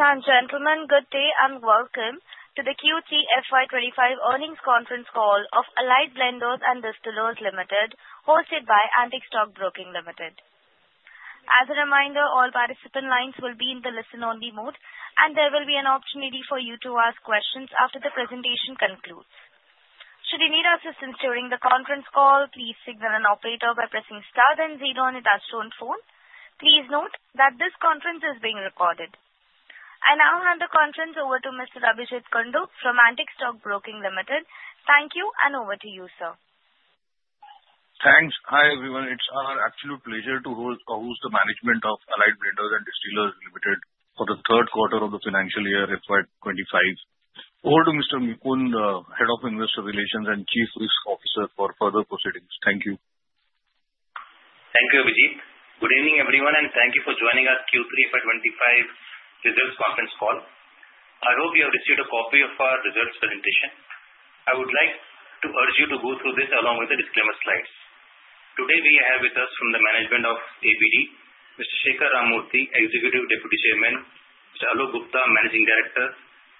Ladies and gentlemen, good day and welcome to the Q3 FY25 earnings conference call of Allied Blenders and Distillers Limited, hosted by Antique Stock Broking Limited. As a reminder, all participant lines will be in the listen-only mode, and there will be an opportunity for you to ask questions after the presentation concludes. Should you need assistance during the conference call, please signal an operator by pressing star then zero on the dashboard phone. Please note that this conference is being recorded. I now hand the conference over to Mr. Abhijeet Kundu from Antique Stock Broking Limited. Thank you, and over to you, sir. Thanks. Hi, everyone. It's our absolute pleasure to host the management of Allied Blenders and Distillers Limited for the third quarter of the financial year FY25. Over to Mr. Mukund, Head of Investor Relations and Chief Risk Officer, for further proceedings. Thank you. Thank you, Abhijeet. Good evening, everyone, and thank you for joining our Q3FY25 results conference call. I hope you have received a copy of our results presentation. I would like to urge you to go through this along with the disclaimer slides. Today, we have with us from the management of ABD, Mr. Shekhar Ramamurthy, Executive Deputy Chairman, Mr. Alok Gupta, Managing Director,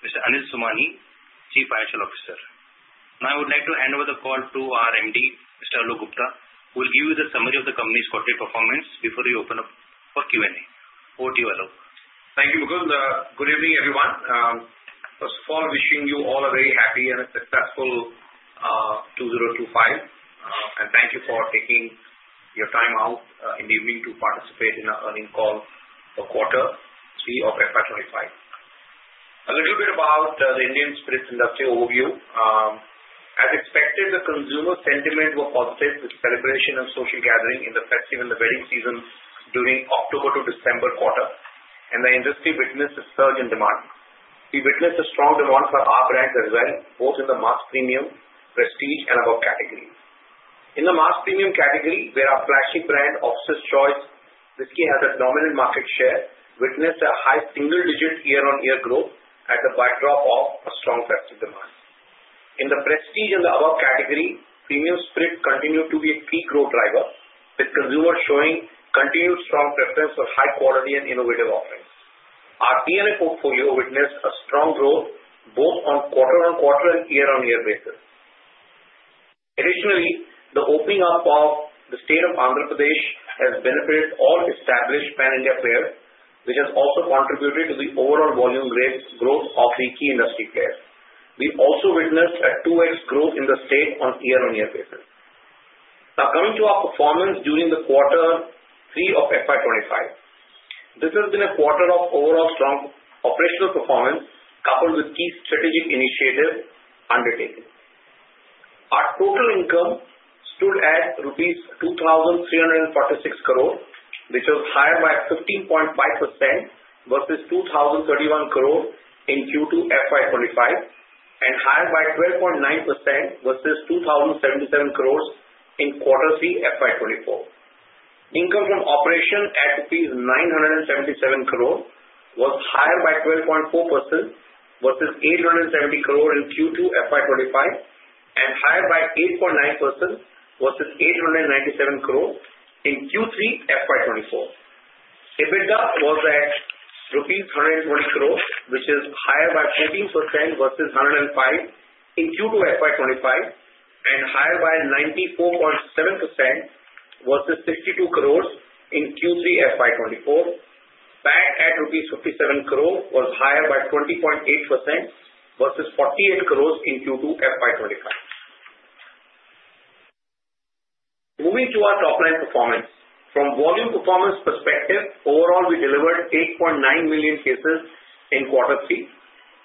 Mr. Anil Somani, Chief Financial Officer. Now, I would like to hand over the call to our MD, Mr. Alok Gupta, who will give you the summary of the company's quarterly performance before we open up for Q&A. Over to you, Alok. Thank you, Mukund. Good evening, everyone. First of all, wishing you all a very happy and successful 2025, and thank you for taking your time out in the evening to participate in our earnings call for quarter three of FY25. A little bit about the Indian spirits industry overview. As expected, the consumer sentiment was positive, with celebration and social gathering in the festive and the wedding season during the October to December quarter, and the industry witnessed a surge in demand. We witnessed a strong demand for our brands as well, both in the mass premium, prestige, and above categories. In the mass premium category, where our flagship brand, Officer's Choice Whisky, has a dominant market share, we witnessed a high single-digit year-on-year growth at the backdrop of a strong festive demand. In the prestige and above category, premium spirits continue to be a key growth driver, with consumers showing continued strong preference for high-quality and innovative offerings. Our P&A portfolio witnessed a strong growth both on quarter-on-quarter and year-on-year basis. Additionally, the opening up of the state of Andhra Pradesh has benefited all established pan-India players, which has also contributed to the overall volume growth of the key industry players. We also witnessed a 2X growth in the state on year-on-year basis. Now, coming to our performance during the quarter three of FY25, this has been a quarter of overall strong operational performance coupled with key strategic initiatives undertaken. Our total income stood at rupees 2,346 crore, which was higher by 15.5% versus 2,031 crore in Q2 FY25, and higher by 12.9% versus 2,077 crore in quarter three FY24. Income from operations at rupees 977 crore was higher by 12.4% versus 870 crore in Q2 FY25, and higher by 8.9% versus 897 crore in Q3 FY24. EBITDA was at rupees 120 crore, which is higher by 14% versus 105 in Q2 FY25, and higher by 94.7% versus 62 crore in Q3 FY24. PAT at rupees 57 crore was higher by 20.8% versus 48 crore in Q2 FY25. Moving to our top-line performance, from a volume performance perspective, overall, we delivered 8.9 million cases in quarter three,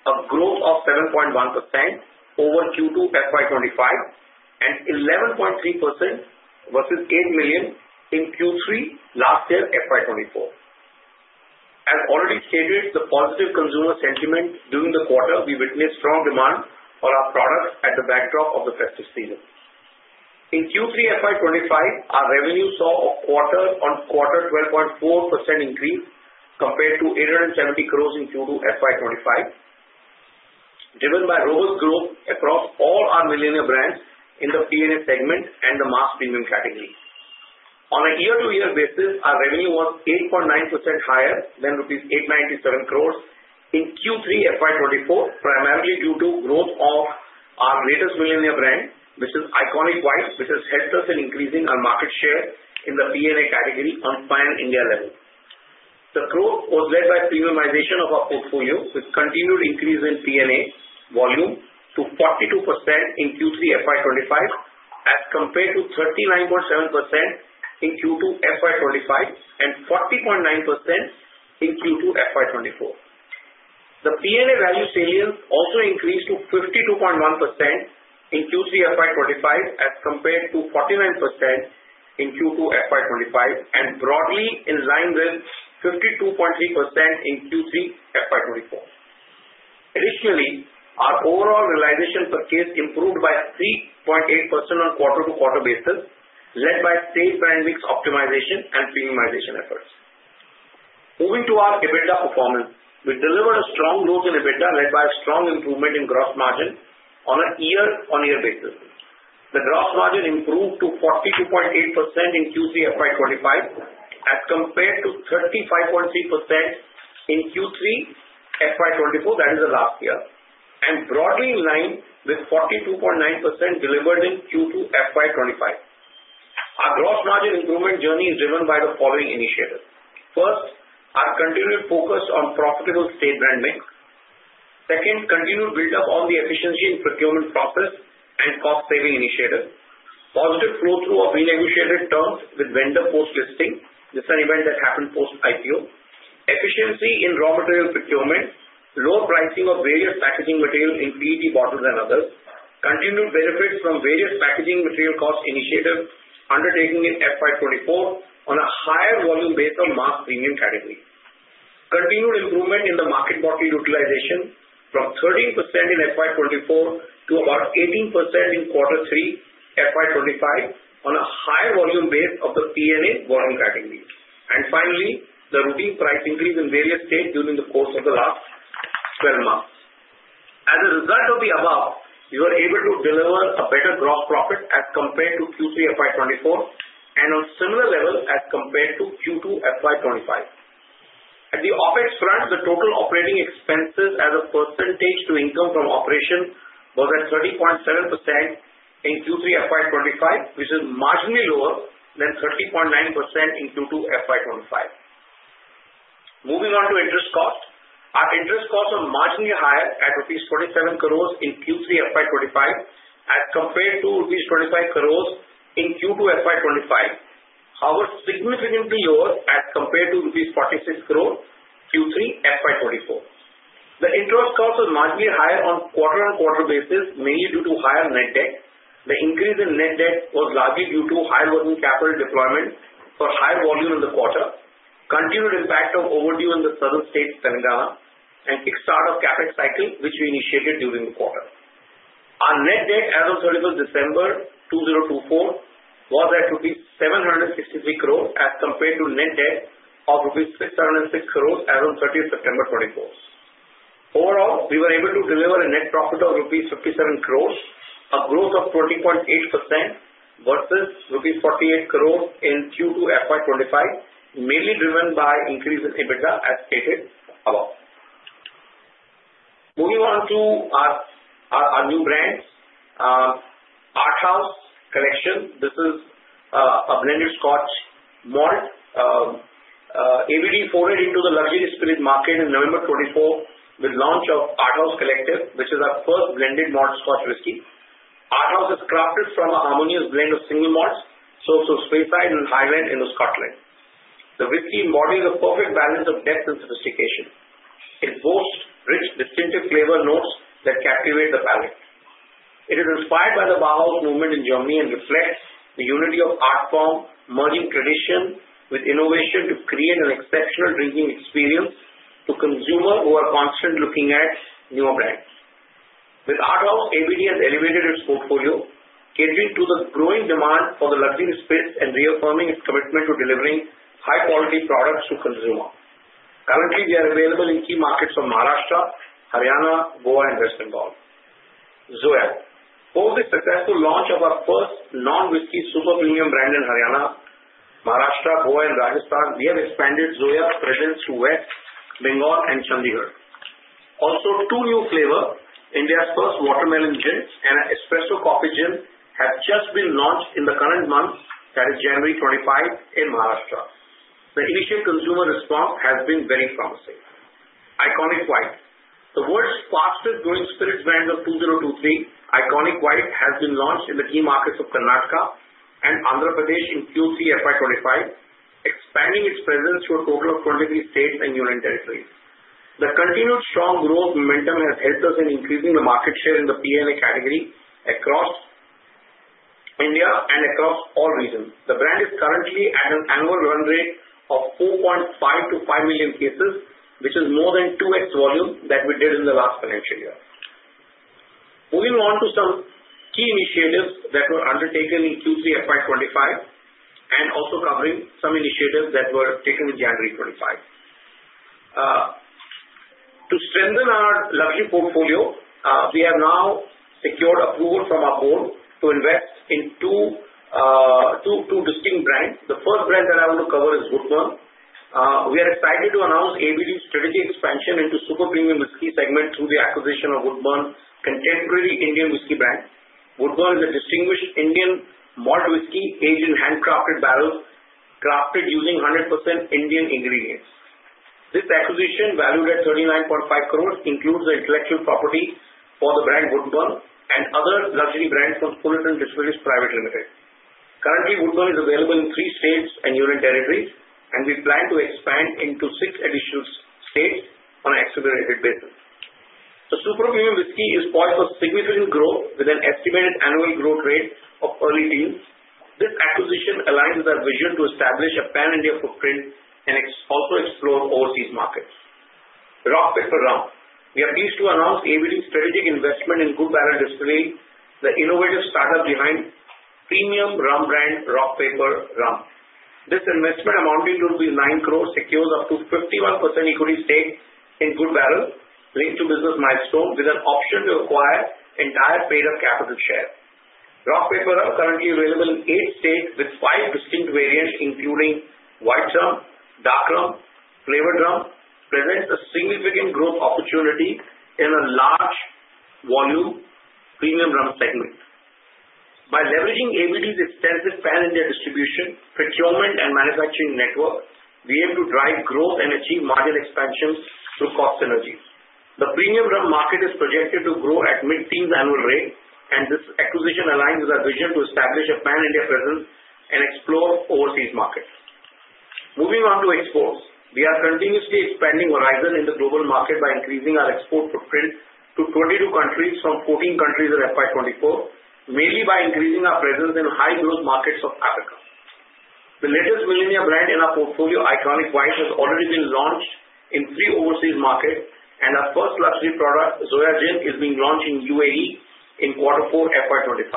a growth of 7.1% over Q2 FY25, and 11.3% versus 8 million in Q3 last year FY24. As already stated, the positive consumer sentiment during the quarter, we witnessed strong demand for our products at the backdrop of the festive season. In Q3 FY25, our revenue saw a quarter-on-quarter 12.4% increase compared to 870 crore in Q2 FY25, driven by robust growth across all our millennial brands in the P&A segment and the mass premium category. On a year-to-year basis, our revenue was 8.9% higher than rupees 897 crore in Q3 FY24, primarily due to the growth of our latest millennial brand, which is ICONiQ White, which has helped us in increasing our market share in the P&A category on pan-India level. The growth was led by the premiumization of our portfolio, with a continued increase in P&A volume to 42% in Q3 FY25, as compared to 39.7% in Q2 FY25 and 40.9% in Q2 FY24. The P&A value salience also increased to 52.1% in Q3 FY25, as compared to 49% in Q2 FY25, and broadly in line with 52.3% in Q3 FY24. Additionally, our overall realization per case improved by 3.8% on a quarter-to-quarter basis, led by savvy brand mix optimization and premiumization efforts. Moving to our EBITDA performance, we delivered a strong growth in EBITDA, led by a strong improvement in gross margin on a year-on-year basis. The gross margin improved to 42.8% in Q3 FY25, as compared to 35.3% in Q3 FY24, that is, last year, and broadly in line with 42.9% delivered in Q2 FY25. Our gross margin improvement journey is driven by the following initiatives. First, our continued focus on profitable state brand mix. Second, continued build-up on the efficiency in procurement process and cost-saving initiative. Positive flow-through of renegotiated terms with vendor post-listing, this is an event that happened post-IPO. Efficiency in raw material procurement, lower pricing of various packaging materials in PET bottles and others. Continued benefits from various packaging material cost initiatives undertaken in FY24 on a higher volume base of mass premium category. Continued improvement in the market bottle utilization from 13% in FY24 to about 18% in quarter three FY25 on a higher volume base of the P&A volume category. And finally, the routine price increase in various states during the course of the last 12 months. As a result of the above, we were able to deliver a better gross profit as compared to Q3 FY24 and on a similar level as compared to Q2 FY25. At the OpEx front, the total operating expenses as a percentage to income from operations was at 30.7% in Q3 FY25, which is marginally lower than 30.9% in Q2 FY25. Moving on to interest cost, our interest costs were marginally higher at 27 crore rupees in Q3 FY25 as compared to 25 crore rupees in Q2 FY25, however, significantly lower as compared to INR 46 crore Q3 FY24. The interest costs were marginally higher on quarter-on-quarter basis, mainly due to higher net debt. The increase in net debt was largely due to higher working capital deployment for higher volume in the quarter, continued impact of overdue in the southern states, Telangana, and kickstart of the CapEx cycle, which we initiated during the quarter. Our net debt as of 31st December 2024 was at rupees 763 crore as compared to net debt of rupees 606 crore as of 30th September 2024. Overall, we were able to deliver a net profit of rupees 57 crore, a growth of 20.8% versus rupees 48 crore in Q2 FY25, mainly driven by the increase in EBITDA, as stated above. Moving on to our new brands, ARTHAUS Collection. This is a blended Scotch malt. ABD forayed into the luxury spirit market in November 2024 with the launch of ARTHAUS Collective, which is our first blended malt Scotch whiskey. ARTHAUS is crafted from a harmonious blend of single malts, sourced from Speyside and Highland in Scotland. The whiskey embodies a perfect balance of depth and sophistication. It boasts rich, distinctive flavor notes that captivate the palate. It is inspired by the Bauhaus movement in Germany and reflects the unity of art form, merging tradition with innovation to create an exceptional drinking experience for consumers who are constantly looking at newer brands. With ARTHAUS, ABD has elevated its portfolio, catering to the growing demand for the luxury spirits and reaffirming its commitment to delivering high-quality products to consumers. Currently, they are available in key markets of Maharashtra, Haryana, Goa, and West Bengal. Zoya, post the successful launch of our first non-whiskey super premium brand in Haryana, Maharashtra, Goa, and Rajasthan, we have expanded Zoya's presence to West Bengal and Chandigarh. Also, two new flavors, India's first watermelon gin and an espresso coffee gin, have just been launched in the current month, that is, January 25, in Maharashtra. The initial consumer response has been very promising. ICONiQ White, the world's fastest-growing spirits brand of 2023, ICONiQ White, has been launched in the key markets of Karnataka and Andhra Pradesh in Q3 FY25, expanding its presence to a total of 23 states and union territories. The continued strong growth momentum has helped us in increasing the market share in the P&A category across India and across all regions. The brand is currently at an annual run rate of 4.5-5 million cases, which is more than 2X volume than we did in the last financial year. Moving on to some key initiatives that were undertaken in Q3 FY25 and also covering some initiatives that were taken in January 2025. To strengthen our luxury portfolio, we have now secured approval from our board to invest in two distinct brands. The first brand that I want to cover is Woodburns. We are excited to announce ABD's strategic expansion into the super premium whiskey segment through the acquisition of Woodburns, a contemporary Indian whiskey brand. Woodburns is a distinguished Indian malt whiskey aged in handcrafted barrels crafted using 100% Indian ingredients. This acquisition, valued at 39.5 crore, includes the intellectual property for the brand Woodburns and other luxury brands from Stirling & Distilleries Pvt. Ltd. Currently, Woodburns is available in three states and union territories, and we plan to expand into six additional states on an accelerated basis. The super premium whisky is poised for significant growth with an estimated annual growth rate of early teens. This acquisition aligns with our vision to establish a pan-India footprint and also explore overseas markets. Rock Paper Rum, we are pleased to announce ABD's strategic investment in Good Barrel Distillery, the innovative startup behind the premium rum brand Rock Paper Rum. This investment amounting to 9 crore rupees secures up to 51% equity stake in Good Barrel, linked to business milestones, with an option to acquire entire paid-up capital share. Rock Paper Rum, currently available in eight states with five distinct variants, including White Rum, Dark Rum, and Flavored Rum, presents a significant growth opportunity in a large volume premium rum segment. By leveraging ABD's extensive pan-India distribution, procurement, and manufacturing network, we aim to drive growth and achieve margin expansions through cost synergies. The premium rum market is projected to grow at mid-teens annual rate, and this acquisition aligns with our vision to establish a pan-India presence and explore overseas markets. Moving on to exports, we are continuously expanding horizon in the global market by increasing our export footprint to 22 countries from 14 countries in FY24, mainly by increasing our presence in high-growth markets of Africa. The latest millennial brand in our portfolio, ICONiQ White, has already been launched in three overseas markets, and our first luxury product, Zoya Gin, is being launched in UAE in quarter four FY25.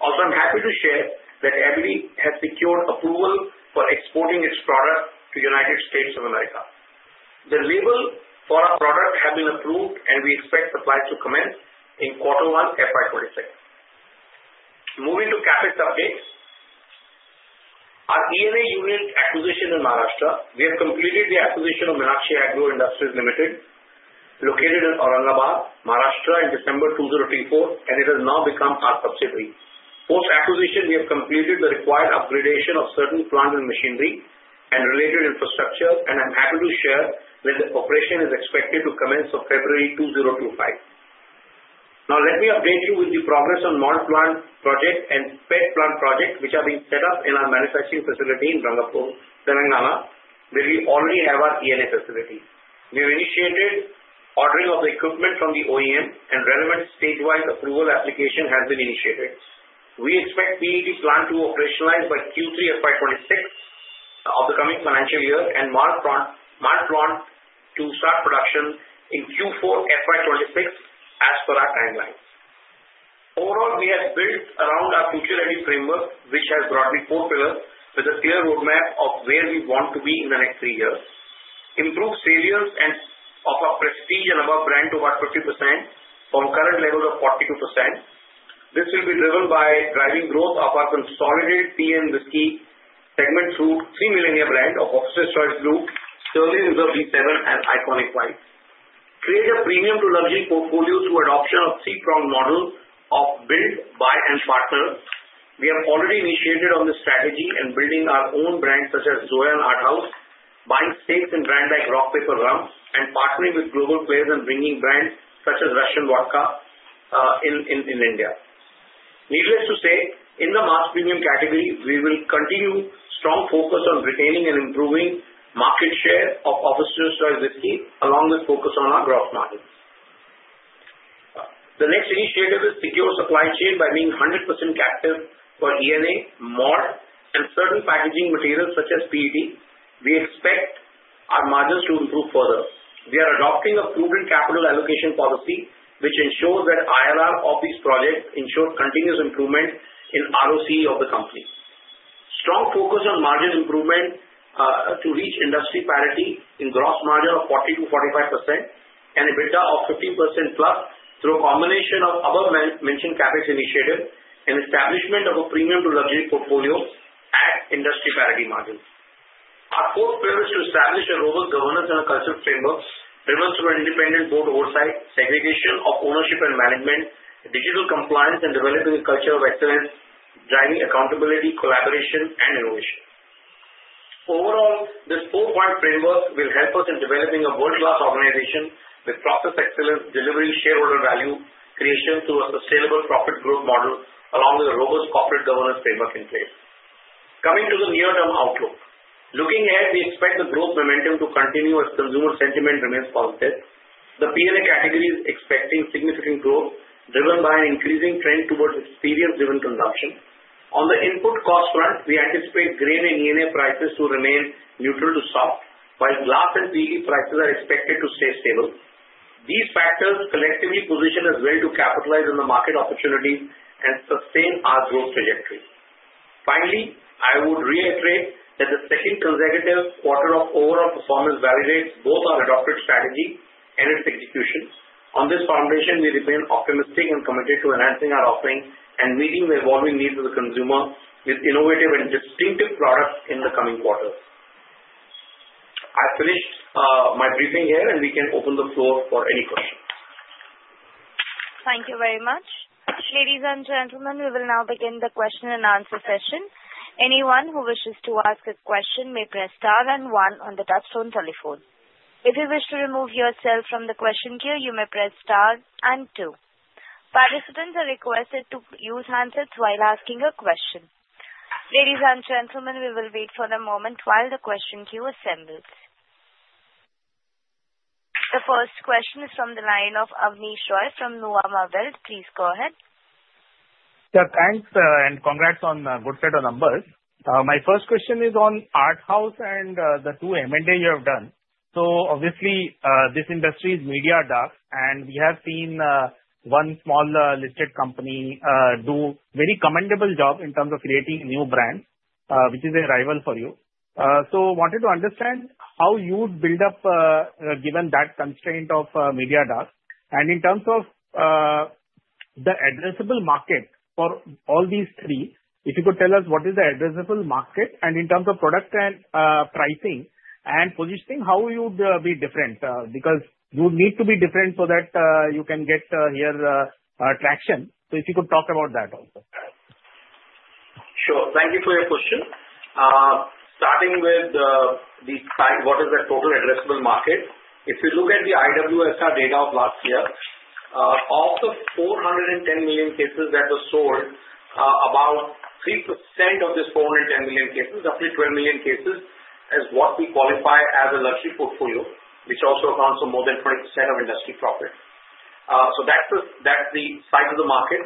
Also, I'm happy to share that ABD has secured approval for exporting its products to the United States of America. The label for our product has been approved, and we expect supplies to commence in quarter one FY26. Moving to CapEx updates, our P&A unit acquisition in Maharashtra, we have completed the acquisition of Meenakshi Agro Industries Limited, located in Aurangabad, Maharashtra, in December 2024, and it has now become our subsidiary. Post-acquisition, we have completed the required upgradation of certain plants and machinery and related infrastructure, and I'm happy to share that the operation is expected to commence in February 2025. Now, let me update you with the progress on the malt plant project and PET plant project, which are being set up in our manufacturing facility in Rangapur, Telangana, where we already have our P&A facility. We have initiated ordering of the equipment from the OEM, and relevant statewide approval application has been initiated. We expect PET plant to operationalize by Q3 FY26 of the coming financial year and malt plant to start production in Q4 FY26 as per our timeline. Overall, we have built around our future-ready framework, which has broadly four pillars, with a clear roadmap of where we want to be in the next three years. Improved share of our prestige and above brands to about 50% from current levels of 42%. This will be driven by driving growth of our consolidated P&A whiskey segment through three millennial brands of Officer's Choice Blue, Sterling Reserve B7, and ICONiQ White. Create a premium-to-luxury portfolio through adoption of a three-pronged model of build, buy, and partner. We have already initiated on the strategy and building our own brands, such as Zoya and ARTHAUS, buying stakes in brands like Rock Paper Rum and partnering with global players and bringing brands such as Russian Vodka in India. Needless to say, in the mass premium category, we will continue strong focus on retaining and improving market share of Officer's Choice Whisky, along with focus on our gross margin. The next initiative is to secure supply chain by being 100% captive for P&A, malt, and certain packaging materials such as PET. We expect our margins to improve further. We are adopting a proven capital allocation policy, which ensures that IRR of these projects ensures continuous improvement in ROC of the company. Strong focus on margin improvement to reach industry parity in gross margin of 40%-45% and EBITDA of 15% plus through a combination of above-mentioned CapEx initiatives and establishment of a premium-to-luxury portfolio at industry parity margins. Our fourth pillar is to establish a robust governance and a culture framework driven through an independent board oversight, segregation of ownership and management, digital compliance, and developing a culture of excellence, driving accountability, collaboration, and innovation. Overall, this four-point framework will help us in developing a world-class organization with process excellence, delivering shareholder value creation through a sustainable profit growth model, along with a robust corporate governance framework in place. Coming to the near-term outlook, looking ahead, we expect the growth momentum to continue as consumer sentiment remains positive. The P&A category is expecting significant growth driven by an increasing trend towards experience-driven consumption. On the input cost front, we anticipate grain and ENA prices to remain neutral to soft, while glass and PET prices are expected to stay stable. These factors collectively position us well to capitalize on the market opportunities and sustain our growth trajectory. Finally, I would reiterate that the second consecutive quarter of overall performance validates both our adopted strategy and its execution. On this foundation, we remain optimistic and committed to enhancing our offering and meeting the evolving needs of the consumer with innovative and distinctive products in the coming quarters. I finished my briefing here, and we can open the floor for any questions. Thank you very much. Ladies and gentlemen, we will now begin the question and answer session. Anyone who wishes to ask a question may press star and one on the touch-tone telephone. If you wish to remove yourself from the question queue, you may press star and two. Participants are requested to use handsets while asking a question. Ladies and gentlemen, we will wait for a moment while the question queue assembles. The first question is from the line of Abneesh Roy from Nuvama Wealth. Please go ahead. Sir, thanks, and congrats on a good set of numbers. My first question is on ARTHAUS and the two M&As you have done. So obviously, this industry is media-dark, and we have seen one small listed company do a very commendable job in terms of creating a new brand, which is a rival for you. So I wanted to understand how you would build up given that constraint of media-dark. In terms of the addressable market for all these three, if you could tell us what is the addressable market, and in terms of product and pricing and positioning, how would you be different? Because you would need to be different so that you can get some traction. So if you could talk about that also? Sure. Thank you for your question. Starting with what is the total addressable market, if you look at the IWSR data of last year, of the 410 million cases that were sold, about 3% of this 410 million cases, roughly 12 million cases, is what we qualify as a luxury portfolio, which also accounts for more than 20% of industry profit. So that's the size of the market.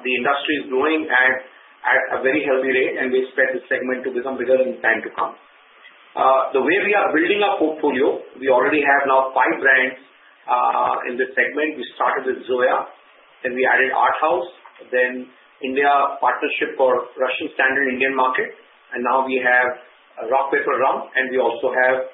The industry is growing at a very healthy rate, and we expect this segment to become bigger in time to come. The way we are building our portfolio, we already have now five brands in this segment. We started with Zoya, then we added ARTHAUS, then Indian partnership for Russian Standard Indian market, and now we have Rock Paper Rum, and we also have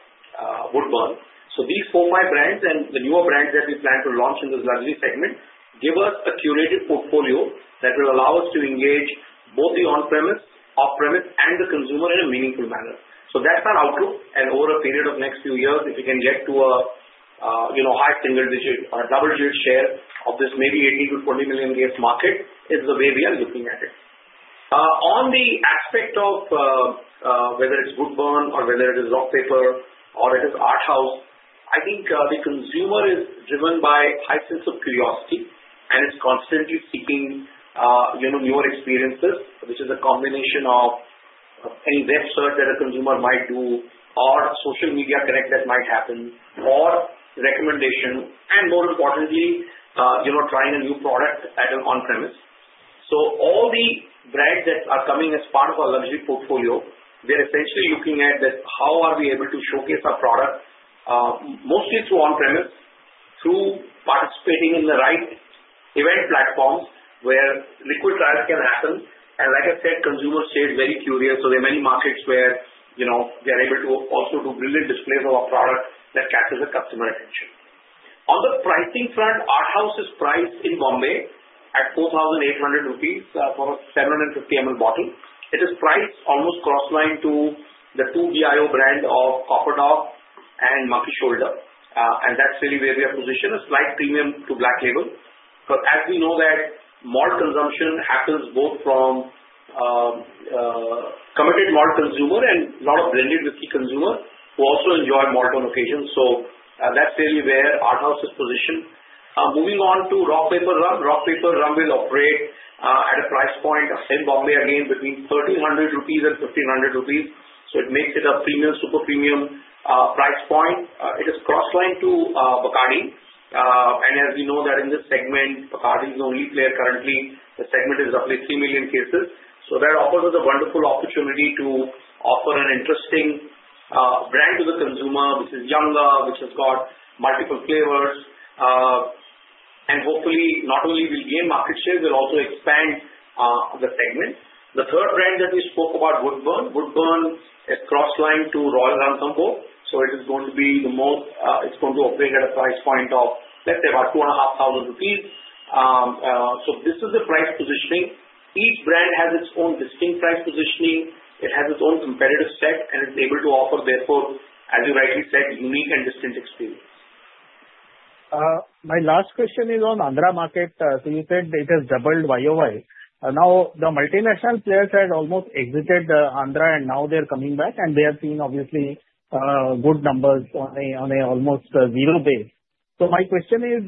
Woodburns. So these four, five brands and the newer brands that we plan to launch in this luxury segment give us a curated portfolio that will allow us to engage both the on-premise, off-premise, and the consumer in a meaningful manner. So that's our outlook, and over a period of the next few years, if we can get to a high single-digit or a double-digit share of this maybe 18-20 million case market, is the way we are looking at it. On the aspect of whether it's Woodburns or whether it is Rock Paper or it is ARTHAUS, I think the consumer is driven by a high sense of curiosity, and it's constantly seeking newer experiences, which is a combination of any web search that a consumer might do or social media connect that might happen or recommendation, and more importantly, trying a new product at an on-premise. So all the brands that are coming as part of our luxury portfolio, we are essentially looking at how are we able to showcase our product mostly through on-premise, through participating in the right event platforms where liquid trials can happen. And like I said, consumers stayed very curious, so there are many markets where they are able to also do brilliant displays of our product that catches the customer's attention. On the pricing front, ARTHAUS is priced in Bombay at 4,800 rupees for a 750 ml bottle. It is priced almost cross-lined to the two BIO brands of Copper Dog and Monkey Shoulder, and that's really where we are positioned, a slight premium to Black Label. But as we know, that malt consumption happens both from committed malt consumers and a lot of blended whiskey consumers who also enjoy malt on occasion. So that's really where ARTHAUS is positioned. Moving on to Rock Paper Rum, Rock Paper Rum will operate at a price point of, in Bombay again, between 1,300 rupees and 1,500 rupees. So it makes it a premium, super premium price point. It is cross-lined to Bacardi, and as we know that in this segment, Bacardi is the only player currently. The segment is roughly 3 million cases. That offers us a wonderful opportunity to offer an interesting brand to the consumer, which is Younger, which has got multiple flavors, and hopefully, not only will gain market share, will also expand the segment. The third brand that we spoke about, Woodburns, Woodburns is cross-lined to Royal Ranthambore. So it is going to be the most it's going to operate at a price point of, let's say, about 2,500 rupees. So this is the price positioning. Each brand has its own distinct price positioning. It has its own competitive set, and it's able to offer, therefore, as you rightly said, a unique and distinct experience. My last question is on Andhra market. So you said it has doubled YOY. Now, the multinational players had almost exited Andhra, and now they are coming back, and they are seeing, obviously, good numbers on an almost zero base. So my question is,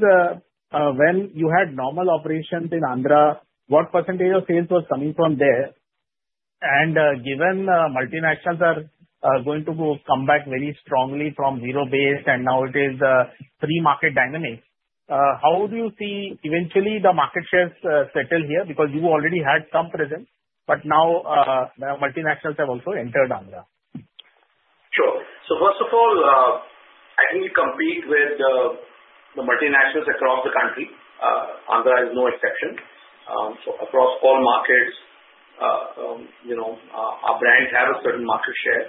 when you had normal operations in Andhra, what percentage of sales was coming from there? And given multinationals are going to come back very strongly from zero base, and now it is a three-market dynamic, how do you see eventually the market shares settle here? Because you already had some presence, but now multinationals have also entered Andhra? Sure. So first of all, I think we compete with the multinationals across the country. Andhra is no exception. So across all markets, our brands have a certain market share.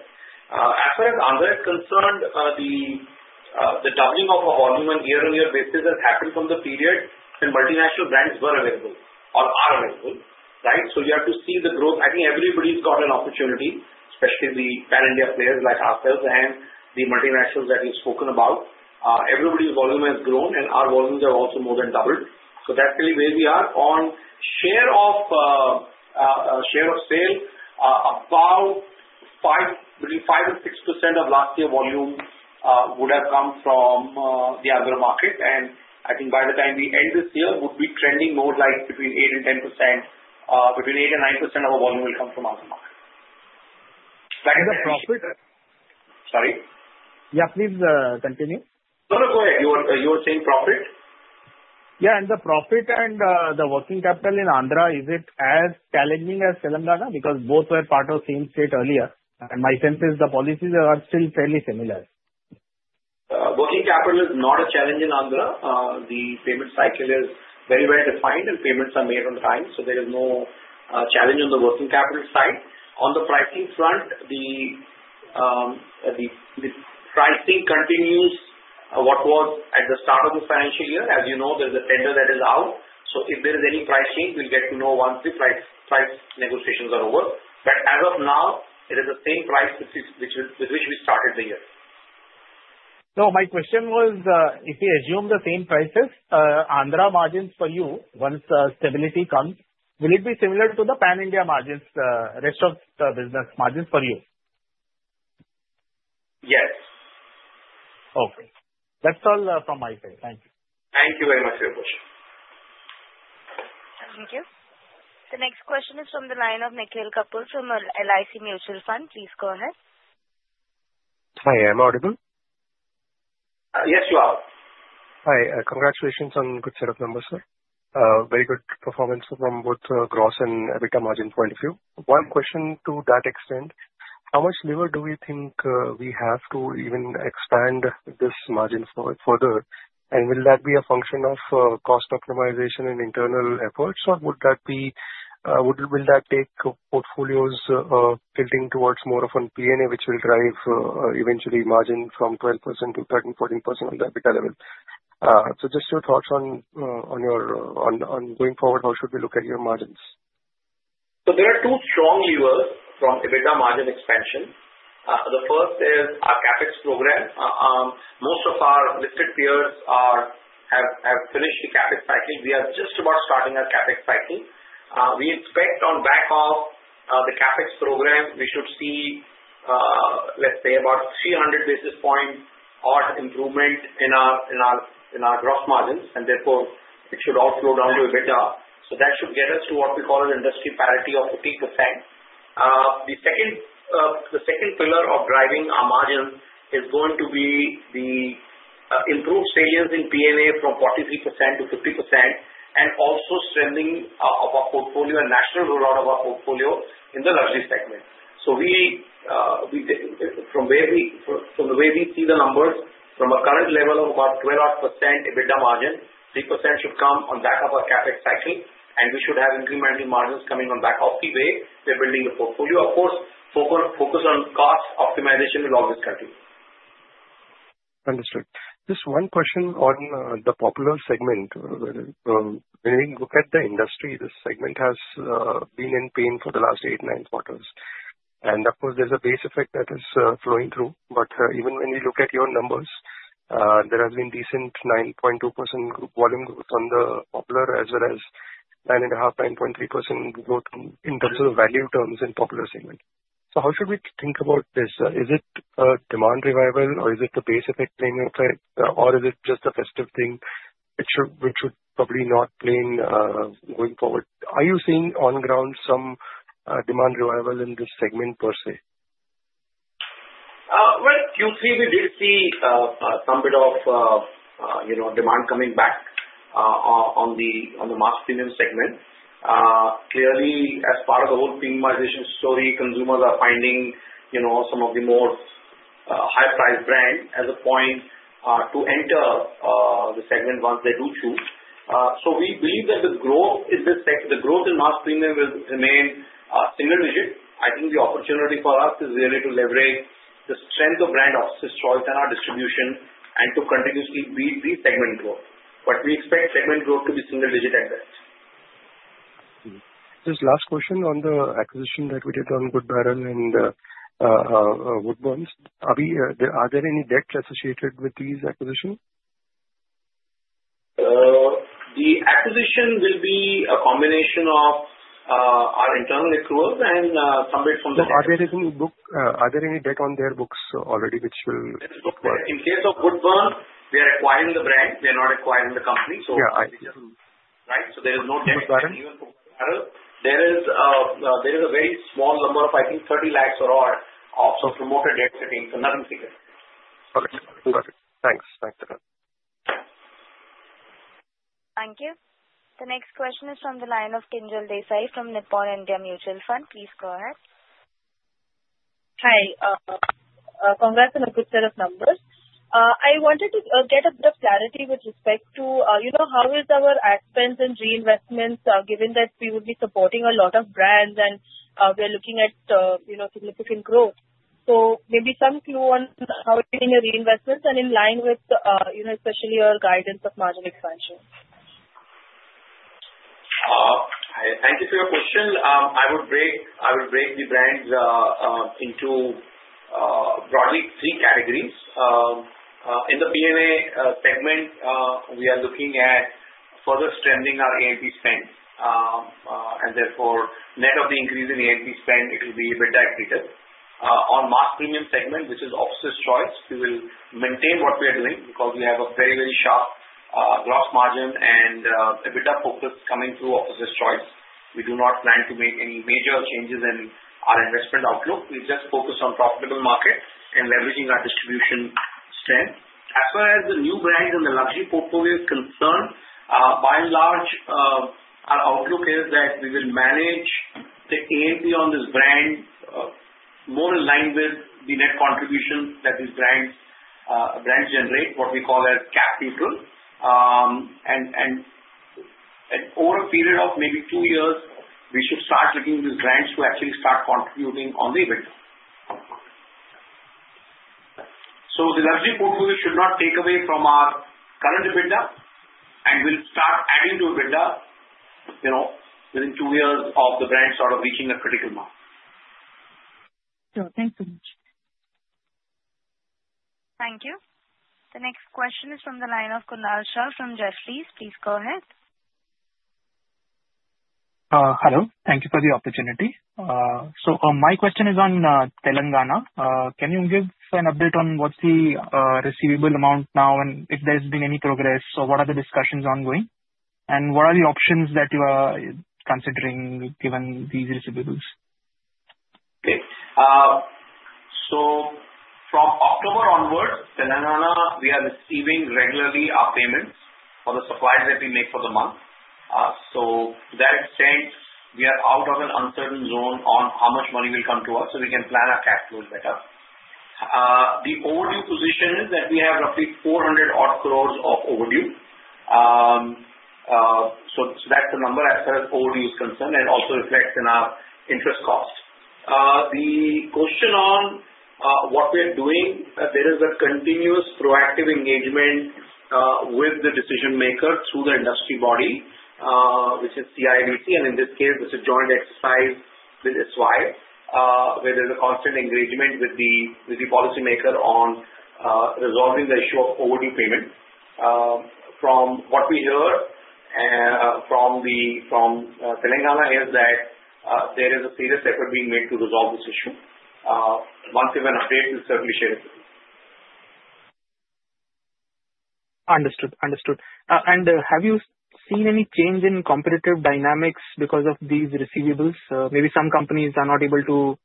As far as Andhra is concerned, the doubling of our volume on year-on-year basis has happened from the period when multinational brands were available or are available, right? So you have to see the growth. I think everybody's got an opportunity, especially the pan-India players like ourselves and the multinationals that you've spoken about. Everybody's volume has grown, and our volumes have also more than doubled. So that's really where we are. On share of sale, about between 5% and 6% of last year's volume would have come from the Andhra market, and I think by the time we end this year, it would be trending more like between 8% and 10%, between 8% and 9% of our volume will come from Andhra market. That is the profit. Sorry? Yeah, please continue. No, no, go ahead. You were saying profit. Yeah, and the profit and the working capital in Andhra, is it as challenging as Telangana? Because both were part of the same state earlier, and my sense is the policies are still fairly similar. Working capital is not a challenge in Andhra. The payment cycle is very well defined, and payments are made on time, so there is no challenge on the working capital side. On the pricing front, the pricing continues what was at the start of the financial year. As you know, there's a tender that is out. So if there is any price change, we'll get to know once the price negotiations are over. But as of now, it is the same price with which we started the year. So my question was, if we assume the same prices, Andhra margins for you, once stability comes, will it be similar to the pan-India margins, rest of the business margins for you? Yes. Okay. That's all from my side. Thank you. Thank you very much for your question. Thank you. The next question is from the line of Nikhil Rungta from LIC Mutual Fund. Please go ahead. Hi, am I audible? Yes, you are. Hi. Congratulations on a good set of numbers, sir. Very good performance from both gross and EBITDA margin point of view. One question to that extent, how much lever do we think we have to even expand this margin further? And will that be a function of cost optimization and internal efforts, or will that take portfolios tilting towards more of a P&A, which will drive eventually margin from 12% to 13%, 14% on the EBITDA level? So just your thoughts on going forward, how should we look at your margins? So there are two strong levers from EBITDA margin expansion. The first is our CapEx program. Most of our listed peers have finished the CapEx cycle. We are just about starting our CapEx cycle. We expect on the back of the CapEx program, we should see, let's say, about 300 basis points of improvement in our gross margins, and therefore, it should all flow down to EBITDA. So that should get us to what we call an industry parity of 50%. The second pillar of driving our margin is going to be the improved savings in P&A from 43% to 50%, and also strengthening of our portfolio and national rollout of our portfolio in the luxury segment. So from the way we see the numbers, from a current level of about 12% EBITDA margin, 3% should come on the back of our CapEx cycle, and we should have incremental margins coming on the back of the way we're building the portfolio. Of course, focus on cost optimization will always continue. Understood. Just one question on the popular segment. When we look at the industry, this segment has been in pain for the last eight, nine quarters, and of course, there's a base effect that is flowing through, but even when we look at your numbers, there has been decent 9.2% volume growth on the popular, as well as 9.5%, 9.3% growth in terms of value terms in the popular segment, so how should we think about this? Is it a demand revival, or is it the base effect playing effect, or is it just a festive thing which should probably not play in going forward? Are you seeing on-ground some demand revival in this segment per se? Well, Q3, we did see some bit of demand coming back on the mass premium segment. Clearly, as part of the whole premiumization story, consumers are finding some of the more high-priced brands as a point to enter the segment once they do choose. So we believe that the growth in this segment, the growth in mass premium will remain single-digit. I think the opportunity for us is really to leverage the strength of brand Officer's Choice and our distribution and to continuously beat the segment growth. But we expect segment growth to be single-digit at best. Just last question on the acquisition that we did on Good Barrel and Woodburns. Are there any debts associated with these acquisitions? The acquisition will be a combination of our internal accruals and some debt from the bank. So are there any debt on their books already which will require? In case of Good Barrel, we are acquiring the brand. We are not acquiring the company. So right? So there is no debt even for Woodburns. There is a very small number of, I think, 30 lakhs or odd of some promoted debt setting, so nothing significant. Got it. Got it. Thanks. Thanks a lot. Thank you. The next question is from the line of Kinjal Desai from Nippon India Mutual Fund. Please go ahead. Hi. Congrats on a good set of numbers. I wanted to get a bit of clarity with respect to how is our expense and reinvestments, given that we would be supporting a lot of brands and we are looking at significant growth. So maybe some clue on how we're doing your reinvestments and in line with especially your guidance of margin expansion. Thank you for your question. I would break the brands into broadly three categories. In the P&A segment, we are looking at further strengthening our A&P spend, and therefore, net of the increase in A&P spend, it will be EBITDA equated. On mass premium segment, which is Officer's Choice, we will maintain what we are doing because we have a very, very sharp gross margin and EBITDA focus coming through Officer's Choice. We do not plan to make any major changes in our investment outlook. We just focus on profitable market and leveraging our distribution strength. As far as the new brands and the luxury portfolio is concerned, by and large, our outlook is that we will manage the A&P on this brand more in line with the net contribution that these brands generate, what we call as CapEx neutral, and over a period of maybe two years, we should start looking at these brands to actually start contributing on the EBITDA. The luxury portfolio should not take away from our current EBITDA, and we'll start adding to EBITDA within two years of the brand sort of reaching a critical mark. Sure. Thanks so much. Thank you. The next question is from the line of Kunal Shah from Jefferies. Please go ahead. Hello. Thank you for the opportunity. So my question is on Telangana. Can you give an update on what's the receivable amount now and if there's been any progress, or what are the discussions ongoing? And what are the options that you are considering given these receivables? Okay. So from October onwards, Telangana, we are receiving regularly our payments for the supplies that we make for the month. So to that extent, we are out of an uncertain zone on how much money will come to us so we can plan our cash flows better. The overdue position is that we have roughly 400-odd crores of overdue. So that's the number as far as overdue is concerned and also reflects in our interest cost. The question on what we are doing, there is a continuous proactive engagement with the decision maker through the industry body, which is CIABC, and in this case, it's a joint exercise with ISWAI, where there's a constant engagement with the policymaker on resolving the issue of overdue payment. From what we heard from Telangana is that there is a serious effort being made to resolve this issue. Once we have an update, we'll certainly share it with you. Understood. Understood. And have you seen any change in competitive dynamics because of these receivables? Maybe some companies are not able to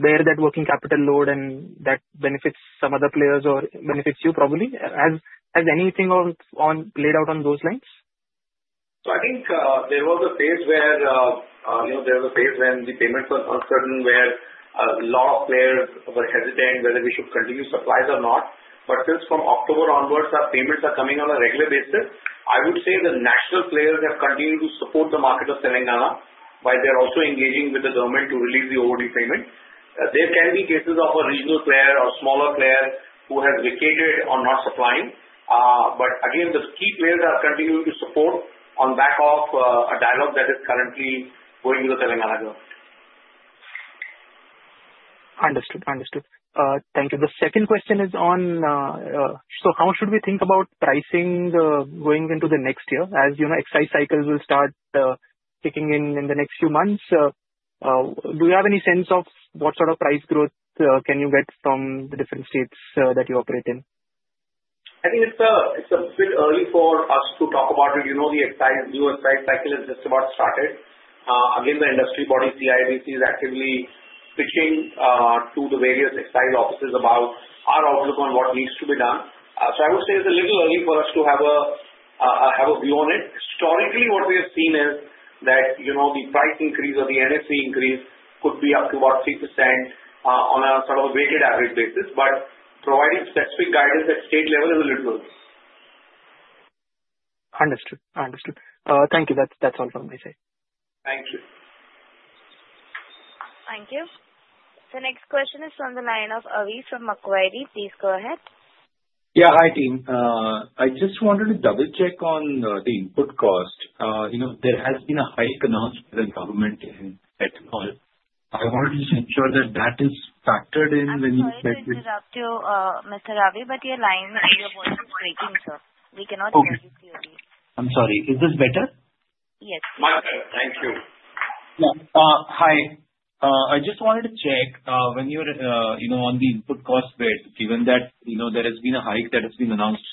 bear that working capital load, and that benefits some other players or benefits you probably. Has anything played out on those lines? I think there was a phase when the payments were uncertain, where a lot of players were hesitant whether we should continue supplies or not. But since from October onwards, our payments are coming on a regular basis, I would say the national players have continued to support the market of Telangana while they're also engaging with the government to release the overdue payment. There can be cases of a regional player or smaller player who has vacated or not supplying. But again, the key players are continuing to support on back of a dialogue that is currently going with the Telangana government. Understood. Thank you. The second question is, so how should we think about pricing going into the next year as excise cycles will start kicking in in the next few months? Do you have any sense of what sort of price growth can you get from the different states that you operate in? I think it's a bit early for us to talk about it. The new excise cycle has just about started. Again, the industry body, CIABC, is actively pitching to the various excise offices about our outlook on what needs to be done. So I would say it's a little early for us to have a view on it. Historically, what we have seen is that the price increase or the NSC increase could be up to about 3% on a sort of a weighted average basis, but providing specific guidance at state level is a little early. Understood. Understood. Thank you. That's all from my side. Thank you. Thank you. The next question is from the line of Avi from Macquarie. Please go ahead. Yeah. Hi, team. I just wanted to double-check on the input cost. There has been a hike announced by the government in Ethanol. I wanted to just ensure that that is factored in when you said so. Interrupt you, Mr. Avi, but your line is breaking, sir. We cannot hear you clearly. I'm sorry. Is this better? Yes. My bad. Thank you. Yeah. Hi. I just wanted to check when you're on the input cost bit, given that there has been a hike that has been announced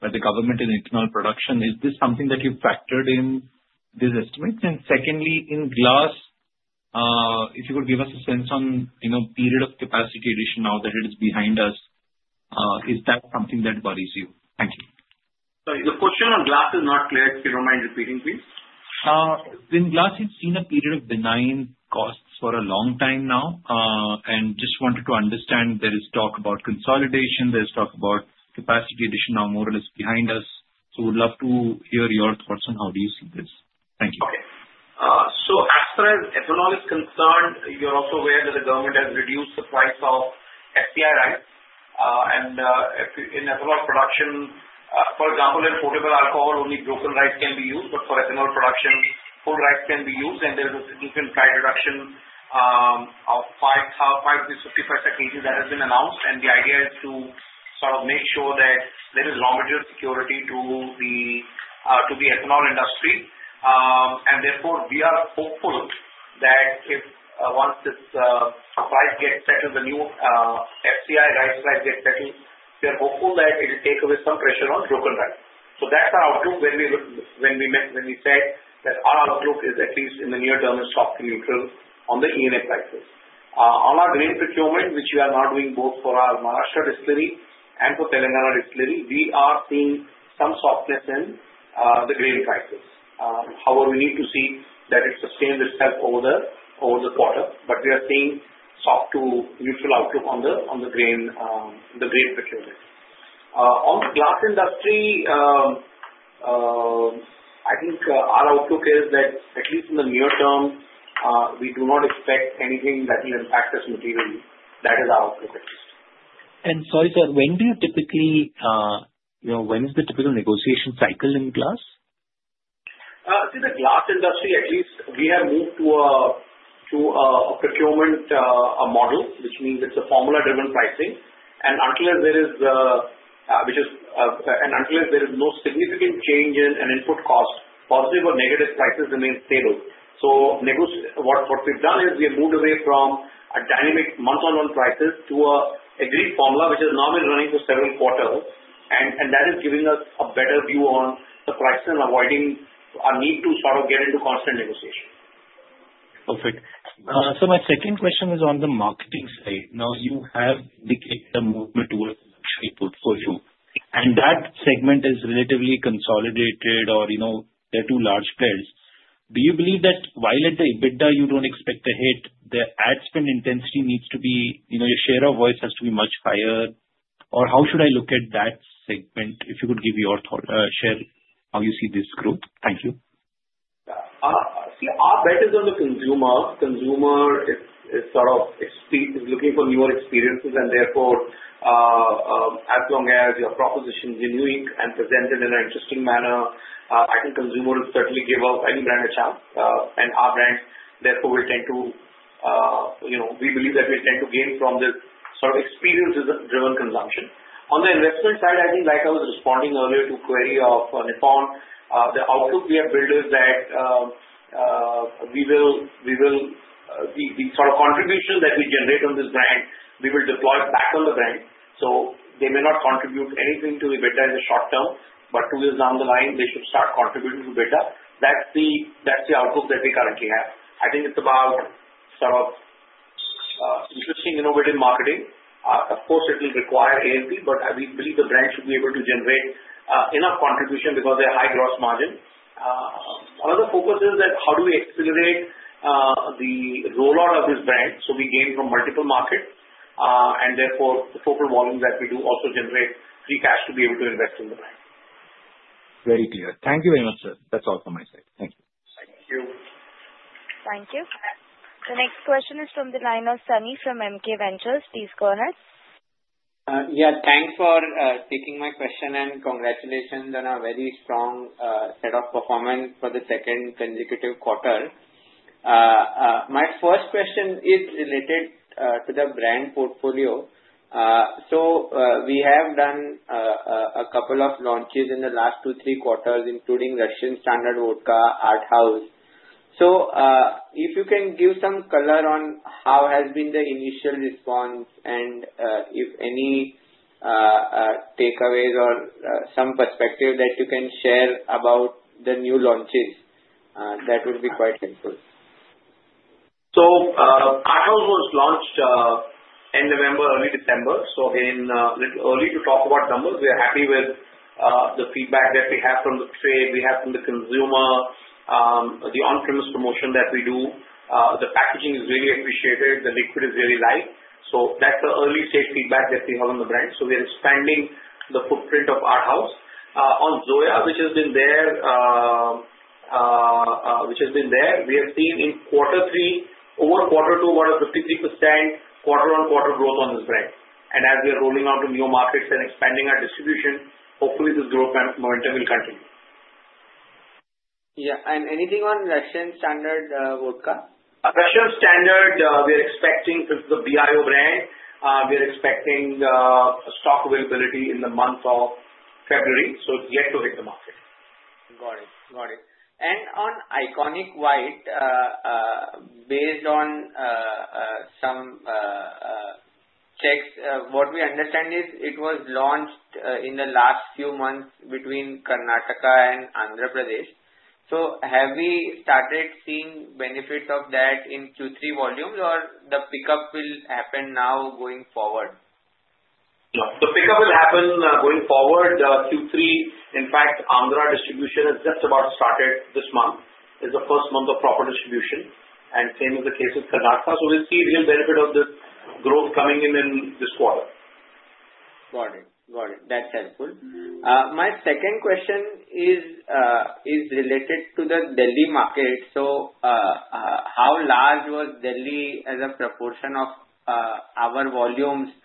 by the government in ethanol production, is this something that you've factored in these estimates? And secondly, in glass, if you could give us a sense on the period of capacity addition now that it is behind us, is that something that worries you? Thank you. Sorry. The question on glass is not clear. If you don't mind repeating, please. In glass, we've seen a period of benign costs for a long time now, and just wanted to understand. There is talk about consolidation. There's talk about capacity addition now more or less behind us. So we'd love to hear your thoughts on how do you see this? Thank you. Okay. So as far as ethanol is concerned, you're also aware that the government has reduced the price of FCI rice. And in ethanol production, for example, in potable alcohol, only broken rice can be used, but for ethanol production, whole rice can be used. And there's a significant price reduction of 5.55 per kg that has been announced. And the idea is to sort of make sure that there is raw material security to the ethanol industry. And therefore, we are hopeful that once this price gets settled, the new FCI rice price gets settled, we're hopeful that it will take away some pressure on broken rice. So that's our outlook when we say that our outlook is at least in the near term is soft to neutral on the ENA prices. On our grain procurement, which we are now doing both for our Maharashtra distillery and for Telangana distillery, we are seeing some softness in the grain prices. However, we need to see that it sustains itself over the quarter, but we are seeing soft to neutral outlook on the grain procurement. On the glass industry, I think our outlook is that at least in the near term, we do not expect anything that will impact us materially. That is our outlook at least. Sorry, sir, when is the typical negotiation cycle in glass? See, the glass industry, at least we have moved to a procurement model, which means it's a formula-driven pricing. And until there is no significant change in an input cost, positive or negative, prices remain stable. So what we've done is we have moved away from dynamic month-on-month prices to an agreed formula, which is normally running for several quarters. And that is giving us a better view on the price and avoiding our need to sort of get into constant negotiation. Perfect. So my second question is on the marketing side. Now, you have the campaign towards the luxury portfolio. And that segment is relatively consolidated, or they're two large players. Do you believe that while at the EBITDA, you don't expect a hit, the ad spend intensity needs to be your share of voice has to be much higher? Or how should I look at that segment? If you could give your share how you see this growth. Thank you. See, our bet is on the consumer. Consumer is sort of looking for newer experiences, and therefore, as long as your proposition is renewing and presented in an interesting manner, I think consumers will certainly give our value brand a chance, and our brands, therefore, will tend to we believe that we tend to gain from this sort of experience-driven consumption. On the investment side, I think, like I was responding earlier to the query of Nippon, the outlook we have built is that we will the sort of contribution that we generate on this brand, we will deploy back on the brand. So they may not contribute anything to EBITDA in the short term, but two years down the line, they should start contributing to EBITDA. That's the outlook that we currently have. I think it's about sort of interesting innovative marketing. Of course, it will require A&P, but we believe the brand should be able to generate enough contribution because they have high gross margin. One of the focuses is that how do we accelerate the rollout of this brand so we gain from multiple markets and therefore the total volume that we do also generate free cash to be able to invest in the brand. Very clear. Thank you very much, sir. That's all from my side. Thank you. Thank you. Thank you. The next question is from the line of Sunny from MK Ventures. Please go ahead. Yeah. Thanks for taking my question and congratulations on a very strong set of performance for the second consecutive quarter. My first question is related to the brand portfolio. We have done a couple of launches in the last two, three quarters, including Russian Standard Vodka, ARTHAUS. If you can give some color on how has been the initial response and if any takeaways or some perspective that you can share about the new launches, that would be quite helpful. ARTHAUS was launched in November, early December. Again, a little early to talk about numbers. We are happy with the feedback that we have from the trade. We have from the consumer the on-premise promotion that we do. The packaging is really appreciated. The liquid is very light. So that's the early stage feedback that we have on the brand. So we are expanding the footprint of ARTHAUS. On Zoya, which has been there, which has been there, we have seen in quarter three over quarter two about a 53% quarter-on-quarter growth on this brand. And as we are rolling out to new markets and expanding our distribution, hopefully this growth momentum will continue. Yeah. And anything on Russian Standard Vodka? Russian Standard, we are expecting since it's a BIO brand we are expecting stock availability in the month of February. So it's yet to hit the market. Got it. Got it. And on ICONiQ White, based on some checks, what we understand is it was launched in the last few months between Karnataka and Andhra Pradesh. So have we started seeing benefits of that in Q3 volumes, or the pickup will happen now going forward? No. The pickup will happen going forward. Q3, in fact, Andhra distribution has just about started this month. It's the first month of proper distribution. And same is the case with Karnataka. So we'll see real benefit of the growth coming in this quarter. Got it. Got it. That's helpful. My second question is related to the Delhi market. So how large was Delhi as a proportion of our volumes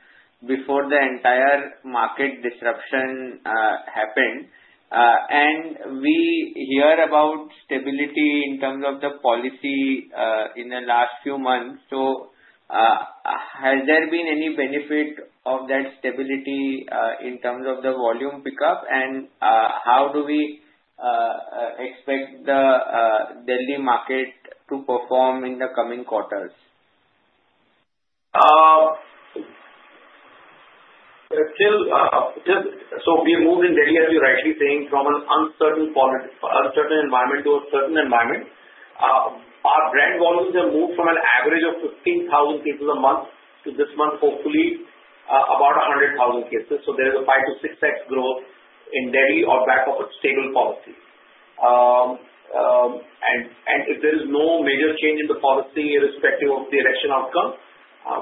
before the entire market disruption happened? And we hear about stability in terms of the policy in the last few months. So has there been any benefit of that stability in terms of the volume pickup? How do we expect the Delhi market to perform in the coming quarters? We have moved in Delhi, as you're rightly saying, from an uncertain environment to a certain environment. Our brand volumes have moved from an average of 15,000 cases a month to this month, hopefully, about 100,000 cases. There is a 5-6X growth in Delhi on back of a stable policy. If there is no major change in the policy irrespective of the election outcome,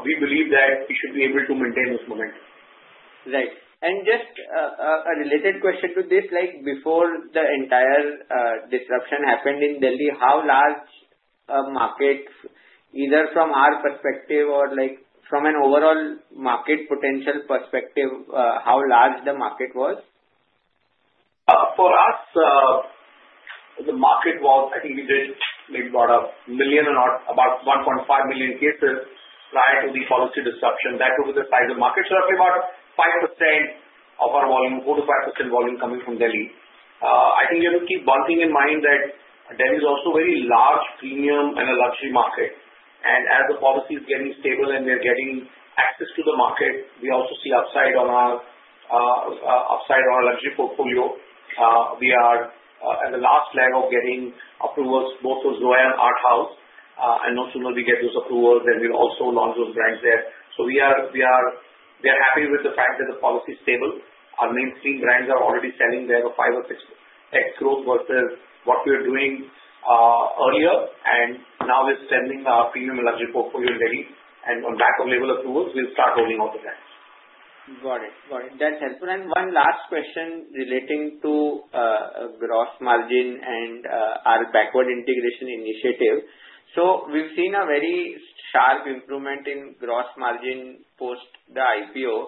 we believe that we should be able to maintain this momentum. Right. Just a related question to this. Before the entire disruption happened in Delhi, how large a market, either from our perspective or from an overall market potential perspective, how large the market was? For us, the market was, I think we did about a million or about 1.5 million cases prior to the policy disruption. That would be the size of the market. So roughly about 5% of our volume, 4-5% volume coming from Delhi. I think you have to keep one thing in mind that Delhi is also a very large premium and a luxury market. As the policy is getting stable and we are getting access to the market, we also see upside on our luxury portfolio. We are at the last leg of getting approvals, both for Zoya and ARTHAUS. No sooner do we get those approvals, then we'll also launch those brands there. We are happy with the fact that the policy is stable. Our mainstream brands are already selling. They have a 5 or 6X growth versus what we were doing earlier. And now we're sending our premium luxury portfolio in Delhi. And on back of label approvals, we'll start rolling out the brands. Got it. Got it. That's helpful. And one last question relating to gross margin and our backward integration initiative. So we've seen a very sharp improvement in gross margin post the IPO,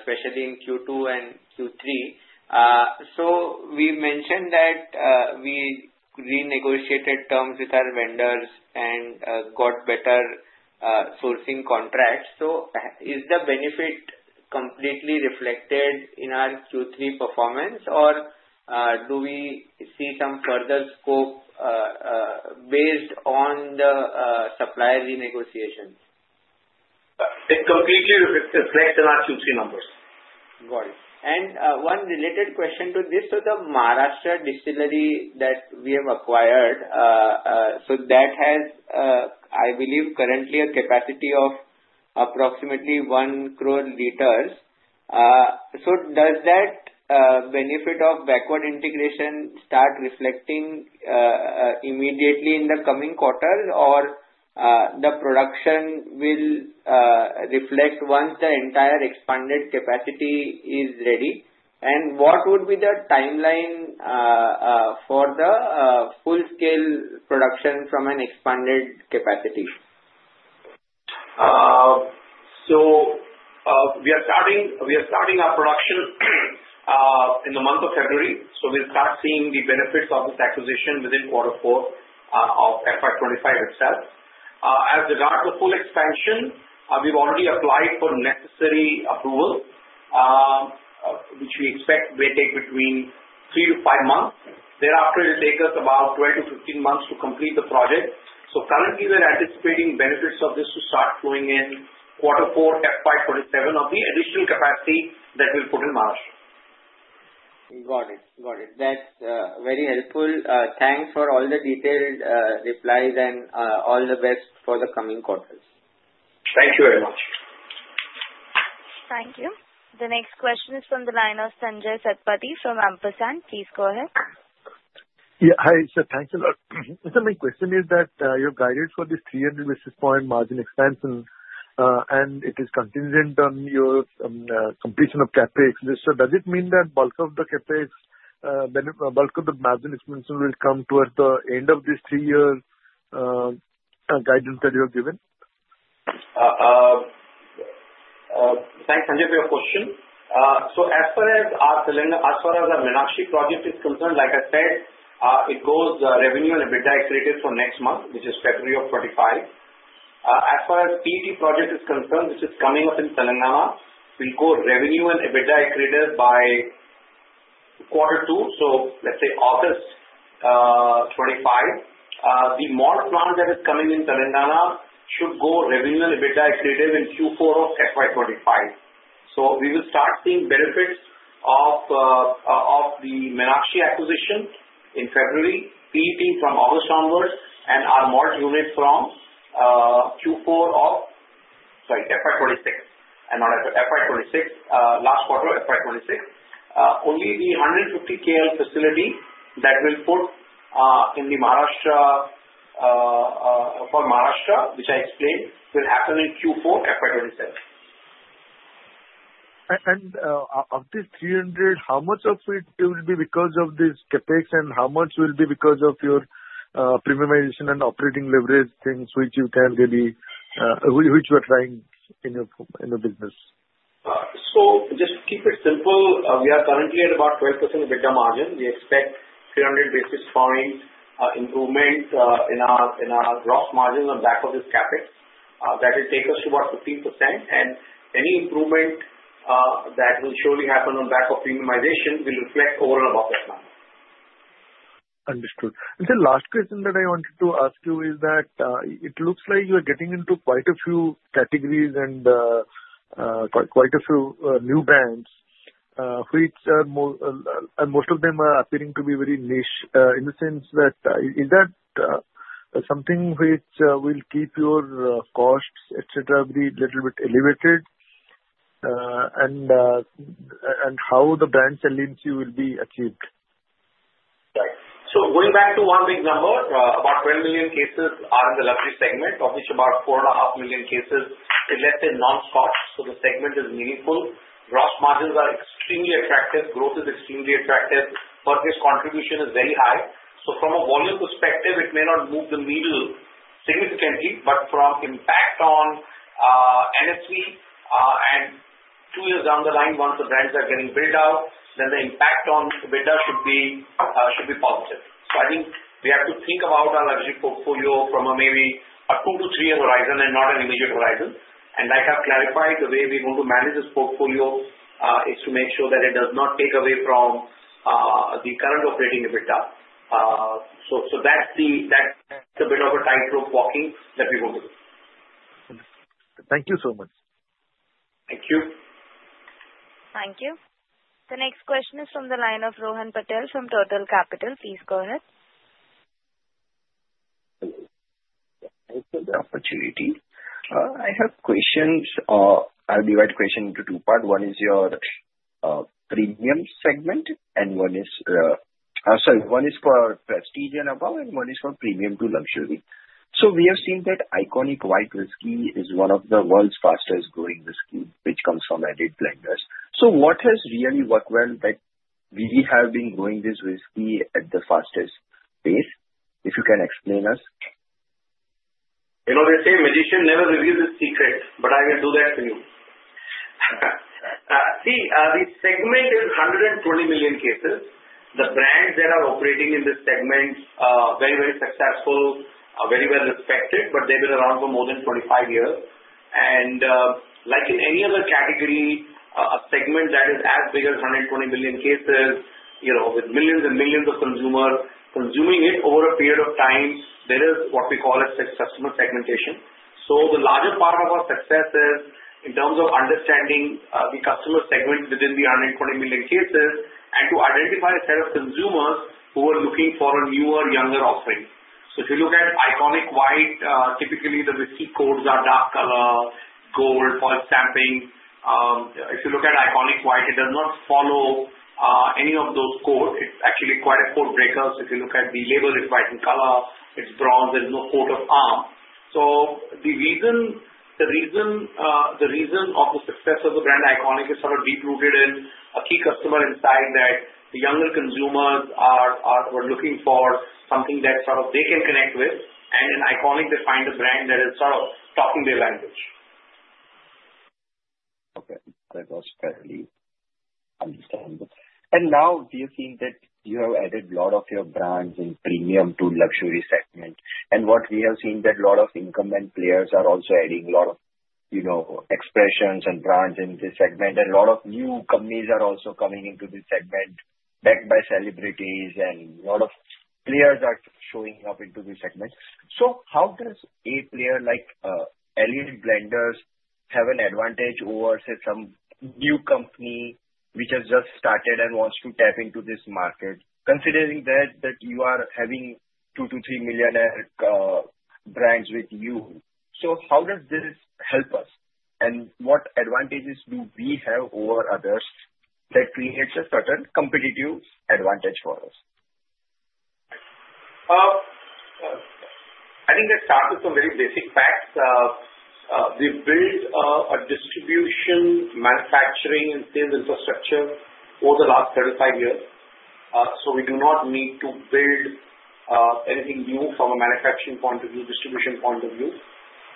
especially in Q2 and Q3. So we mentioned that we renegotiated terms with our vendors and got better sourcing contracts. So is the benefit completely reflected in our Q3 performance, or do we see some further scope based on the supplier renegotiations? It completely reflects in our Q3 numbers. Got it. And one related question to this. So the Maharashtra distillery that we have acquired, so that has, I believe, currently a capacity of approximately 1 crore liters. So does that benefit of backward integration start reflecting immediately in the coming quarter, or the production will reflect once the entire expanded capacity is ready? And what would be the timeline for the full-scale production from an expanded capacity? So we are starting our production in the month of February. So we'll start seeing the benefits of this acquisition within quarter four of FY25 itself. As regards the full expansion, we've already applied for necessary approval, which we expect may take between three to five months. Thereafter, it will take us about 12-15 months to complete the project. So currently, we're anticipating benefits of this to start flowing in quarter four, FY27, of the additional capacity that we've put in Maharashtra. Got it. Got it. That's very helpful. Thanks for all the detailed replies and all the best for the coming quarters. Thank you very much. Thank you. The next question is from the line of Sanjaya Satapathy from Ampersand. Please go ahead. Yeah. Hi, sir. Thanks a lot. So my question is that your guidance for this 300 basis point margin expansion, and it is contingent on your completion of CapEx. So does it mean that bulk of the CapEx, bulk of the margin expansion will come towards the end of this three-year guidance that you have given? Thanks, Sanjay, for your question. So as far as our Meenakshi project is concerned, like I said, it goes revenue and EBITDA accretive for next month, which is February of 2025. As far as PET project is concerned, which is coming up in Telangana, we'll go revenue and EBITDA accretive by quarter two. So let's say August 2025. The malt plant that is coming in Telangana should go revenue and EBITDA accretive in Q4 of FY25. So we will start seeing benefits of the Meenakshi acquisition in February, PET from August onwards, and our malt unit from Q4 of, sorry, FY26. And not FY26, last quarter of FY26. Only the 150 KL facility that will put in the Maharashtra for Maharashtra, which I explained, will happen in Q4 FY27. And of this 300, how much of it will be because of this CapEx, and how much will be because of your premiumization and operating leverage things, which you are trying in your business? So just to keep it simple, we are currently at about 12% EBITDA margin. We expect 300 basis point improvement in our gross margin on back of this CapEx. That will take us to about 15%. Any improvement that will surely happen on the back of premiumization will reflect over and above that number. Understood. The last question that I wanted to ask you is that it looks like you are getting into quite a few categories and quite a few new brands, which are most of them appearing to be very niche in the sense that is that something which will keep your costs, etc., a little bit elevated, and how the brand salience will be achieved? Right. So going back to one big number, about 12 million cases are in the luxury segment, of which about 4.5 million cases is, let's say, non-Scotch. So the segment is meaningful. Gross margins are extremely attractive. Growth is extremely attractive. Per case contribution is very high. So from a volume perspective, it may not move the needle significantly, but from impact on NSV and two years down the line, once the brands are getting built out, then the impact on EBITDA should be positive. So I think we have to think about our luxury portfolio from a maybe a two to three-year horizon and not an immediate horizon. And like I've clarified, the way we want to manage this portfolio is to make sure that it does not take away from the current operating EBITDA. So that's a bit of a tightrope walking that we want to do. Thank you so much. Thank you. Thank you. The next question is from the line of Rohan Patel from Turtle Capital. Please go ahead. Thank you for the opportunity. I have questions. I'll divide the question into two parts. One is your premium segment, and one is—sorry, one is for prestige and above, and one is for premium to luxury. So we have seen that ICONiQ White Whisky is one of the world's fastest-growing whisky, which comes from Allied Blenders. So what has really worked well that we have been growing this whisky at the fastest pace? If you can explain us. You know, they say magician never reveals his secret, but I will do that for you. See, the segment is 120 million cases. The brands that are operating in this segment are very, very successful, very well respected, but they've been around for more than 25 years, and like in any other category, a segment that is as big as 120 million cases, with millions and millions of consumers consuming it over a period of time, there is what we call a customer segmentation. The larger part of our success is in terms of understanding the customer segment within the 120 million cases and to identify a set of consumers who are looking for a newer, younger offering. If you look at ICONiQ White, typically the whiskey codes are dark color, gold, foil stamping. If you look at ICONiQ White, it does not follow any of those codes. It's actually quite a code breaker. If you look at the label, it's white in color. It's bronze. There's no coat of arms. The reason of the success of the brand ICONiQ is sort of deep-rooted in a key customer insight that the younger consumers were looking for something that sort of they can connect with, and in ICONiQ, they find a brand that is sort of talking their language. Okay. That was fairly understandable. Now we have seen that you have added a lot of your brands in premium to luxury segment. What we have seen is that a lot of incumbent players are also adding a lot of expressions and brands in this segment. A lot of new companies are also coming into this segment backed by celebrities, and a lot of players are showing up into this segment. How does a player like Allied Blenders have an advantage over, say, some new company which has just started and wants to tap into this market, considering that you are having two to three millionaire brands with you? How does this help us? What advantages do we have over others that creates a certain competitive advantage for us? I think let's start with some very basic facts. We've built a distribution manufacturing and sales infrastructure over the last 35 years. So we do not need to build anything new from a manufacturing point of view, distribution point of view.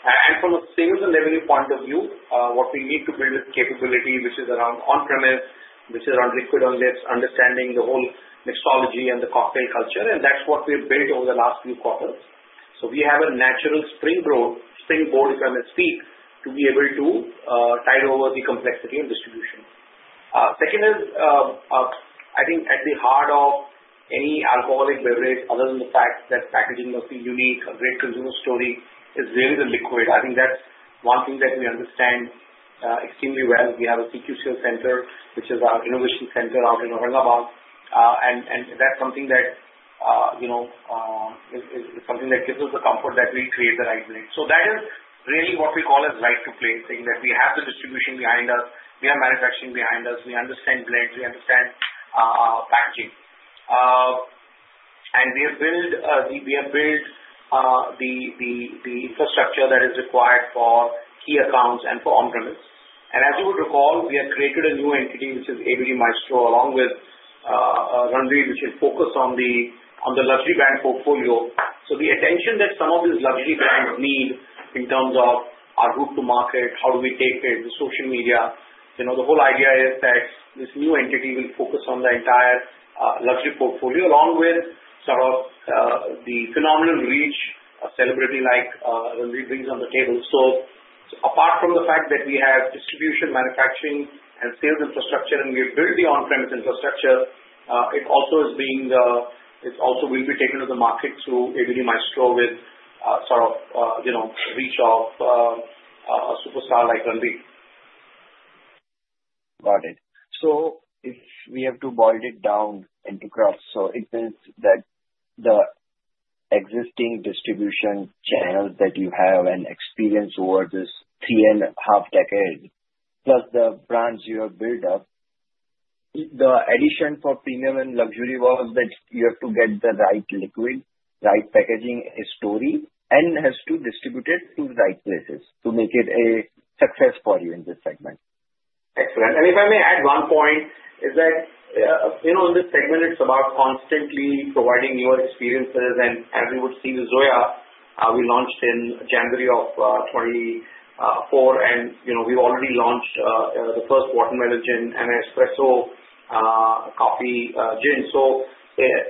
And from a sales and revenue point of view, what we need to build is capability, which is around on-premise, which is around liquid on lips, understanding the whole mixology and the cocktail culture. And that's what we have built over the last few quarters. So we have a natural springboard if I may speak to be able to tide over the complexity of distribution. Second is, I think at the heart of any alcoholic beverage, other than the fact that packaging must be unique, a great consumer story, is really the liquid. I think that's one thing that we understand extremely well. We have a CQCL center, which is our innovation center out in Aurangabad. That's something that gives us the comfort that we create the right blend. That is really what we call as right-to-play thing, that we have the distribution behind us. We have manufacturing behind us. We understand blends. We understand packaging. We have built the infrastructure that is required for key accounts and for on-premise. As you would recall, we have created a new entity, which is ABD Maestro, along with Ranveer, which will focus on the luxury brand portfolio. The attention that some of these luxury brands need in terms of our route to market, how do we take it, the social media, the whole idea is that this new entity will focus on the entire luxury portfolio, along with sort of the phenomenal reach a celebrity like Ranveer brings to the table. So apart from the fact that we have distribution, manufacturing, and sales infrastructure, and we have built the on-premise infrastructure, it also will be taken to the market through ABD Maestro with sort of reach of a superstar like Ranveer. Got it. So if we have to boil it down into graphs, so it means that the existing distribution channel that you have and experience over this three and a half decades, plus the brands you have built up, the addition for premium and luxury was that you have to get the right liquid, right packaging, a story, and has to distribute it to the right places to make it a success for you in this segment. Excellent. And if I may add one point, is that in this segment, it's about constantly providing newer experiences. As we would see with Zoya, we launched in January of 2024, and we've already launched the first watermelon gin and espresso coffee gin.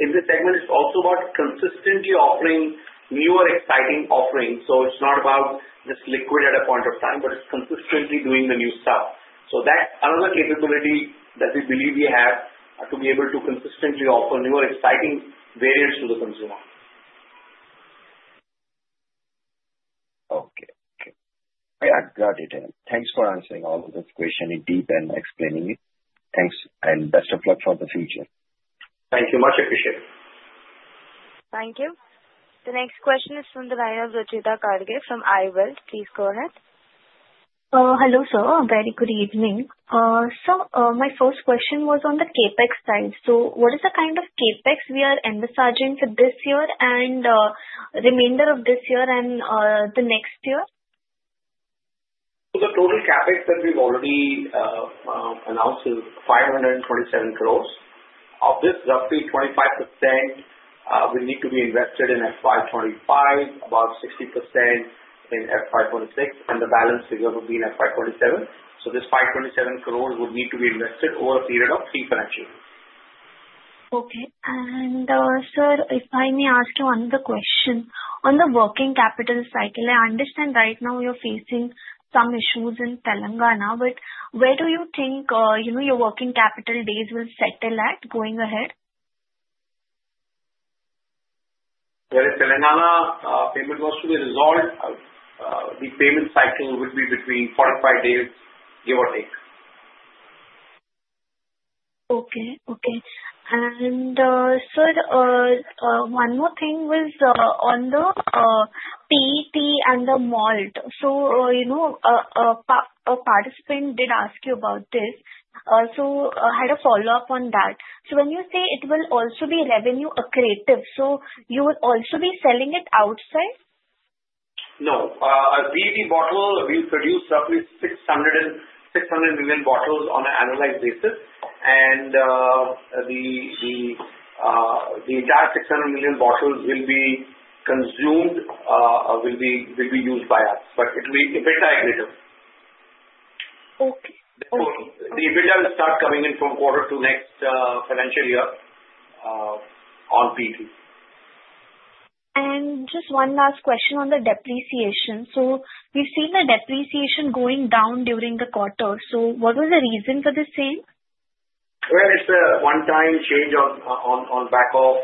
In this segment, it's also about consistently offering newer, exciting offerings. It's not about just liquid at a point of time, but it's consistently doing the new stuff. That's another capability that we believe we have to be able to consistently offer newer, exciting variants to the consumer. Okay. Okay. I got it. Thanks for answering all of this question in depth and explaining it. Thanks. And best of luck for the future. Thank you much. Appreciate it. Thank you. The next question is from the line of Rajitha Karthik from I-Wealth. Please go ahead. Hello, sir. Very good evening. So my first question was on the CapEx side. So what is the kind of CapEx we are envisaging for this year and remainder of this year and the next year? So the total CapEx that we've already announced is 527 crores. Of this, roughly 25% will need to be invested in FY25, about 60% in FY26, and the balance figure will be in FY27. So this 527 crores would need to be invested over a period of three financial years. Okay. And sir, if I may ask you one other question. On the working capital cycle, I understand right now you're facing some issues in Telangana, but where do you think your working capital days will settle at going ahead? Where in Telangana? Payment was to be resolved. The payment cycle would be between 45 days, give or take. Okay. Okay. And sir, one more thing was on the PET and the malt. So a participant did ask you about this. So I had a follow-up on that. So when you say it will also be revenue accretive, so you will also be selling it outside? No. A PET bottle will produce roughly 600 million bottles on an annualized basis. And the entire 600 million bottles will be consumed, will be used by us. But it will be EBITDA accretive. Okay. Okay. The EBITDA will start coming in from quarter to next financial year on PET. And just one last question on the depreciation. So we've seen the depreciation going down during the quarter. So what was the reason for this change? Well, it's a one-time change on back of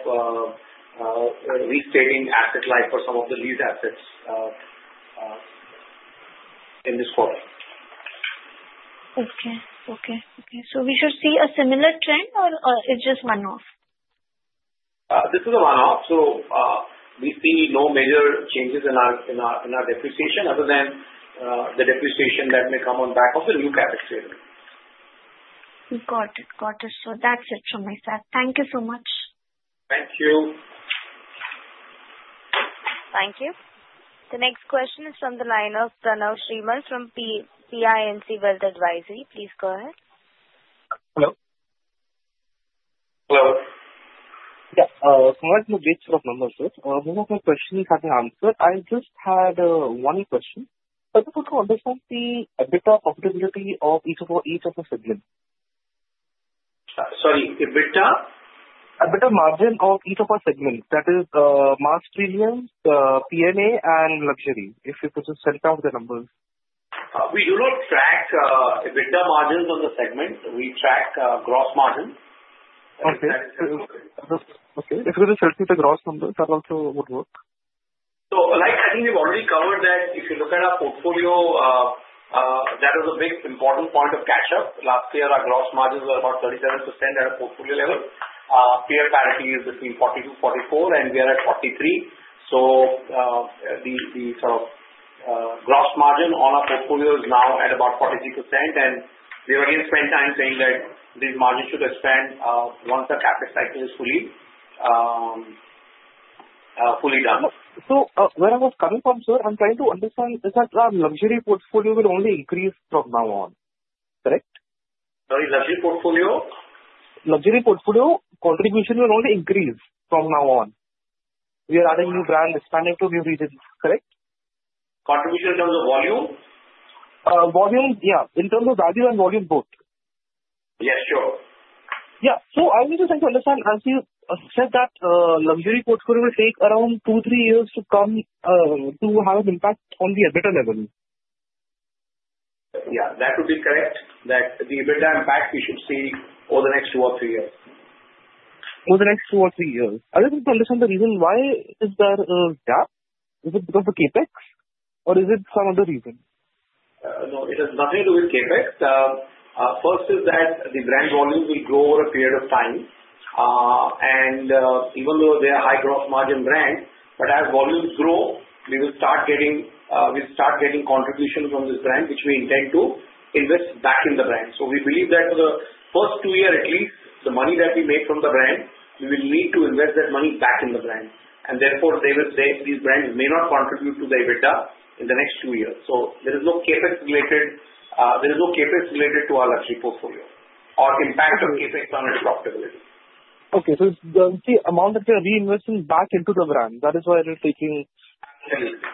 restating asset life for some of the leased assets in this quarter. Okay. Okay. Okay. So we should see a similar trend, or it's just one-off? This is a one-off. So we see no major changes in our depreciation other than the depreciation that may come on back of the new CapEx data. Got it. Got it. So that's it from my side. Thank you so much. Thank you. Thank you. The next question is from the line of Pranav Shrimal from PINC Wealth Advisory. Please go ahead. Hello. Hello. Yeah. Congratulations on the membership. Most of my questions have been answered. I just had one question. If I could understand the EBITDA profitability of each of the segments? Sorry. EBITDA? EBITDA margin of each of our segments. That is mass premium, P&A, and luxury. If you could just spell out the numbers. We do not track EBITDA margins on the segments. We track gross margins. Okay. If you could just tell us the gross numbers that also would work. So I think we've already covered that. If you look at our portfolio, that was a big important point of catch-up. Last year, our gross margins were about 37% at a portfolio level. Peer parity is between 42% and 44%, and we are at 43%. So the sort of gross margin on our portfolio is now at about 43%. And we have again spent time saying that these margins should expand once the CapEx cycle is fully done. So where I was coming from, sir, I'm trying to understand is that our luxury portfolio will only increase from now on, correct? Sorry. Luxury portfolio? Luxury portfolio contribution will only increase from now on. We are adding new brands, expanding to new regions, correct? Contribution in terms of volume? Volume, yeah. In terms of value and volume both. Yes. Sure. Yeah. So I want to try to understand. I see you said that luxury portfolio will take around two, three years to come to have an impact on the EBITDA level. Yeah. That would be correct, that the EBITDA impact we should see over the next two or three years. Over the next two or three years. I just need to understand the reason why is there a gap? Is it because of CapEx, or is it some other reason? No. It has nothing to do with CapEx. First is that the brand volume will grow over a period of time. And even though they are high-gross margin brands, but as volumes grow, we will start getting contribution from this brand, which we intend to invest back in the brand. We believe that for the first two years at least, the money that we make from the brand, we will need to invest that money back in the brand. And therefore, they will say these brands may not contribute to the EBITDA in the next two years. So there is no CapEx related to our luxury portfolio or impact of CapEx on our profitability. Okay. So it's the amount that we are reinvesting back into the brand. That is why we're taking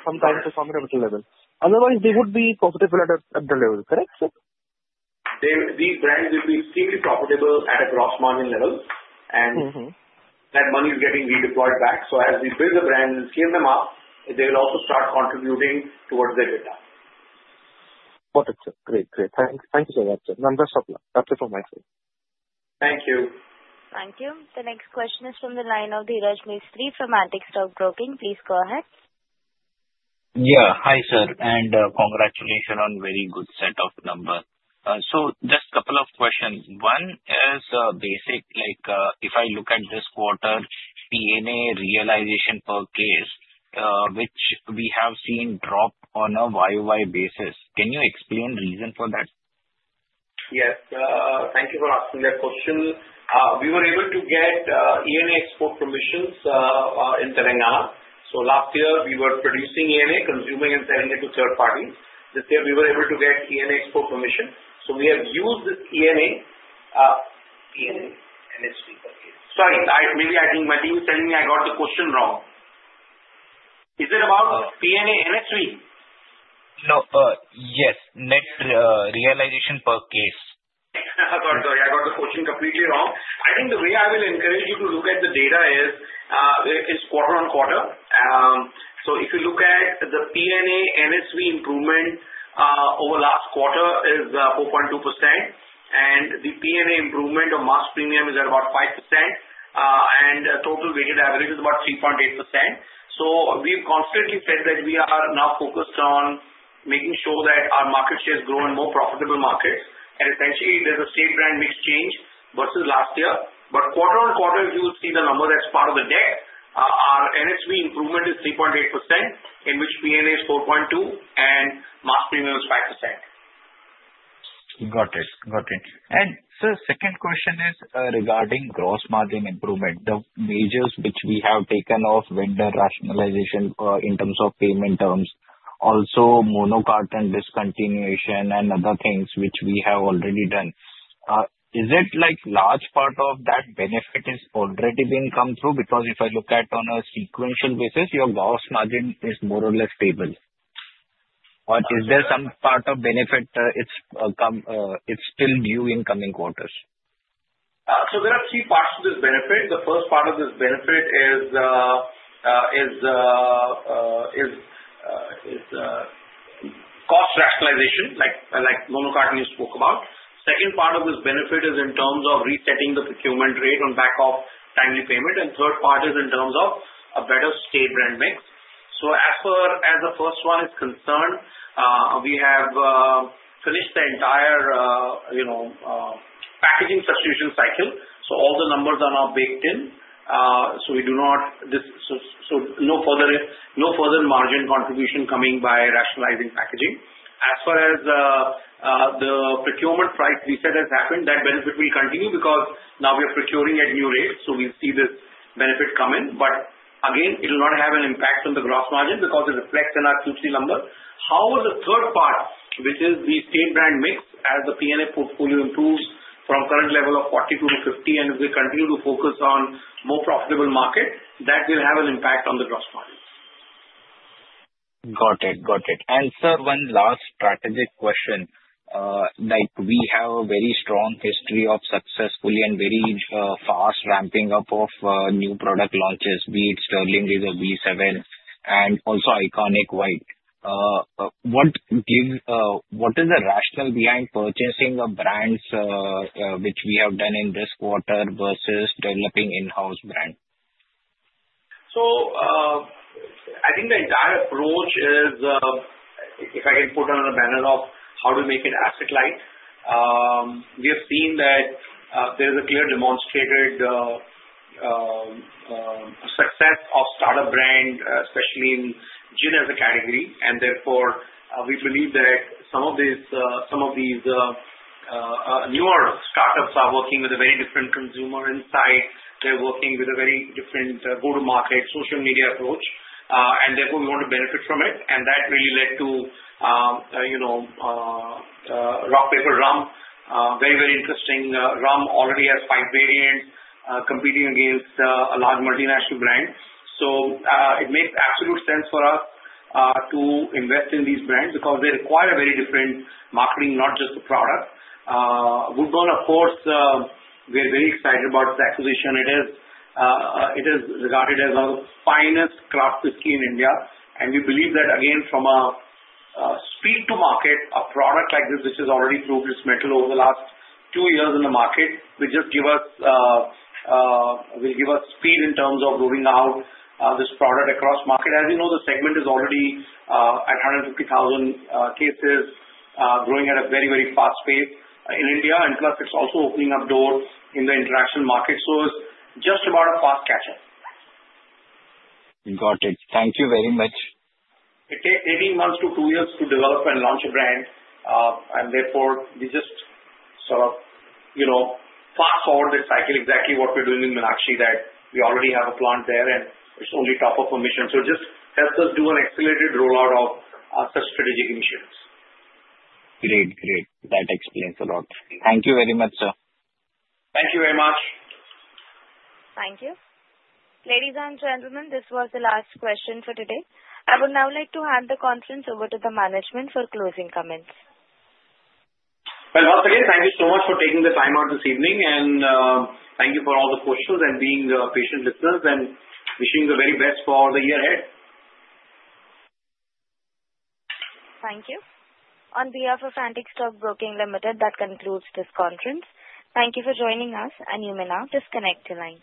some time to come to the level. Otherwise, they would be profitable at the level, correct, sir? These brands will be extremely profitable at a gross margin level, and that money is getting redeployed back. So as we build the brand and scale them up, they will also start contributing towards their EBITDA. Got it, sir. Great. Great. Thank you so much, sir. That's it from my side. Thank you. Thank you. The next question is from the line of Dhiraj Mistry from Antique Stock Broking. Please go ahead. Yeah. Hi, sir. And congratulations on a very good set of numbers. So just a couple of questions. One is basic, like if I look at this quarter, ENA realization per case, which we have seen drop on a YOY basis. Can you explain the reason for that? Yes. Thank you for asking that question. We were able to get ENA export permissions in Telangana. So last year, we were producing ENA, consuming, and selling it to third parties. This year, we were able to get ENA export permission. So we have used this ENA sorry. Maybe I think my team is telling me I got the question wrong. Is it about P&A NSV? No. Yes. Net realization per case. Sorry. Sorry. I got the question completely wrong. I think the way I will encourage you to look at the data is it's quarter on quarter. So if you look at the P&A NSV improvement over last quarter is 4.2%, and the P&A improvement of mass premium is at about 5%, and total weighted average is about 3.8%. So we've constantly said that we are now focused on making sure that our market share is growing in more profitable markets, and essentially, there's a state-brand mix change versus last year, but quarter on quarter, if you see the number that's part of the deck, our NSV improvement is 3.8%, in which P&A is 4.2%, and mass premium is 5%. Got it. Got it. Sir, second question is regarding gross margin improvement, the measures which we have taken for vendor rationalization in terms of payment terms, also monocarton discontinuation and other things which we have already done. Is it like a large part of that benefit has already come through? Because if I look at it on a sequential basis, your gross margin is more or less stable. But is there some part of that benefit still due in coming quarters? There are three parts to this benefit. The first part of this benefit is cost rationalization, like monocarton you spoke about. Second part of this benefit is in terms of resetting the procurement rate on the back of timely payment. And third part is in terms of a better state-brand mix. As far as the first one is concerned, we have finished the entire packaging substitution cycle. So all the numbers are now baked in. So we do not, no further margin contribution coming by rationalizing packaging. As far as the procurement price reset has happened, that benefit will continue because now we are procuring at new rates. So we'll see this benefit come in. But again, it will not have an impact on the gross margin because it reflects in our Q3 number. How will the third part, which is the state-brand mix, as the P&A portfolio improves from current level of 42 to 50, and if we continue to focus on more profitable market, that will have an impact on the gross margin. Got it. Got it. And sir, one last strategic question. We have a very strong history of successfully and very fast ramping up of new product launches, be it Sterling, be it the B7, and also ICONiQ White. What is the rationale behind purchasing a brand which we have done in this quarter versus developing in-house brand? So I think the entire approach is, if I can put it under the banner of how to make it asset-light, we have seen that there is a clear demonstrated success of startup brand, especially in gin as a category. And therefore, we believe that some of these newer startups are working with a very different consumer insight. They're working with a very different go-to-market social media approach. And therefore, we want to benefit from it. And that really led to Rock Paper Rum. Very, very interesting. Rum already has five variants competing against a large multinational brand. So it makes absolute sense for us to invest in these brands because they require a very different marketing, not just the product. Woodburns, of course, we are very excited about its acquisition. It is regarded as one of the finest craft whisky in India. We believe that, again, from a speed-to-market, a product like this, which has already proved its mettle over the last two years in the market, will just give us speed in terms of rolling out this product across market. As you know, the segment is already at 150,000 cases, growing at a very, very fast pace in India. Plus, it's also opening up doors in the international market. So it's just about a fast catch-up. Got it. Thank you very much. It takes 18 months to two years to develop and launch a brand. Therefore, we just sort of fast-forward the cycle, exactly what we're doing in Meenakshi that we already have a plant there, and it's only top-up permission. So just help us do an accelerated rollout of such strategic initiatives. Great. Great. That explains a lot. Thank you very much, sir. Thank you very much. Thank you. Ladies and gentlemen, this was the last question for today. I would now like to hand the conference over to the management for closing comments. Well, once again, thank you so much for taking the time out this evening, and thank you for all the questions and being patient listeners and wishing you the very best for the year ahead. Thank you. On behalf of Antique Stock Broking Limited, that concludes this conference. Thank you for joining us, and you may now disconnect your line.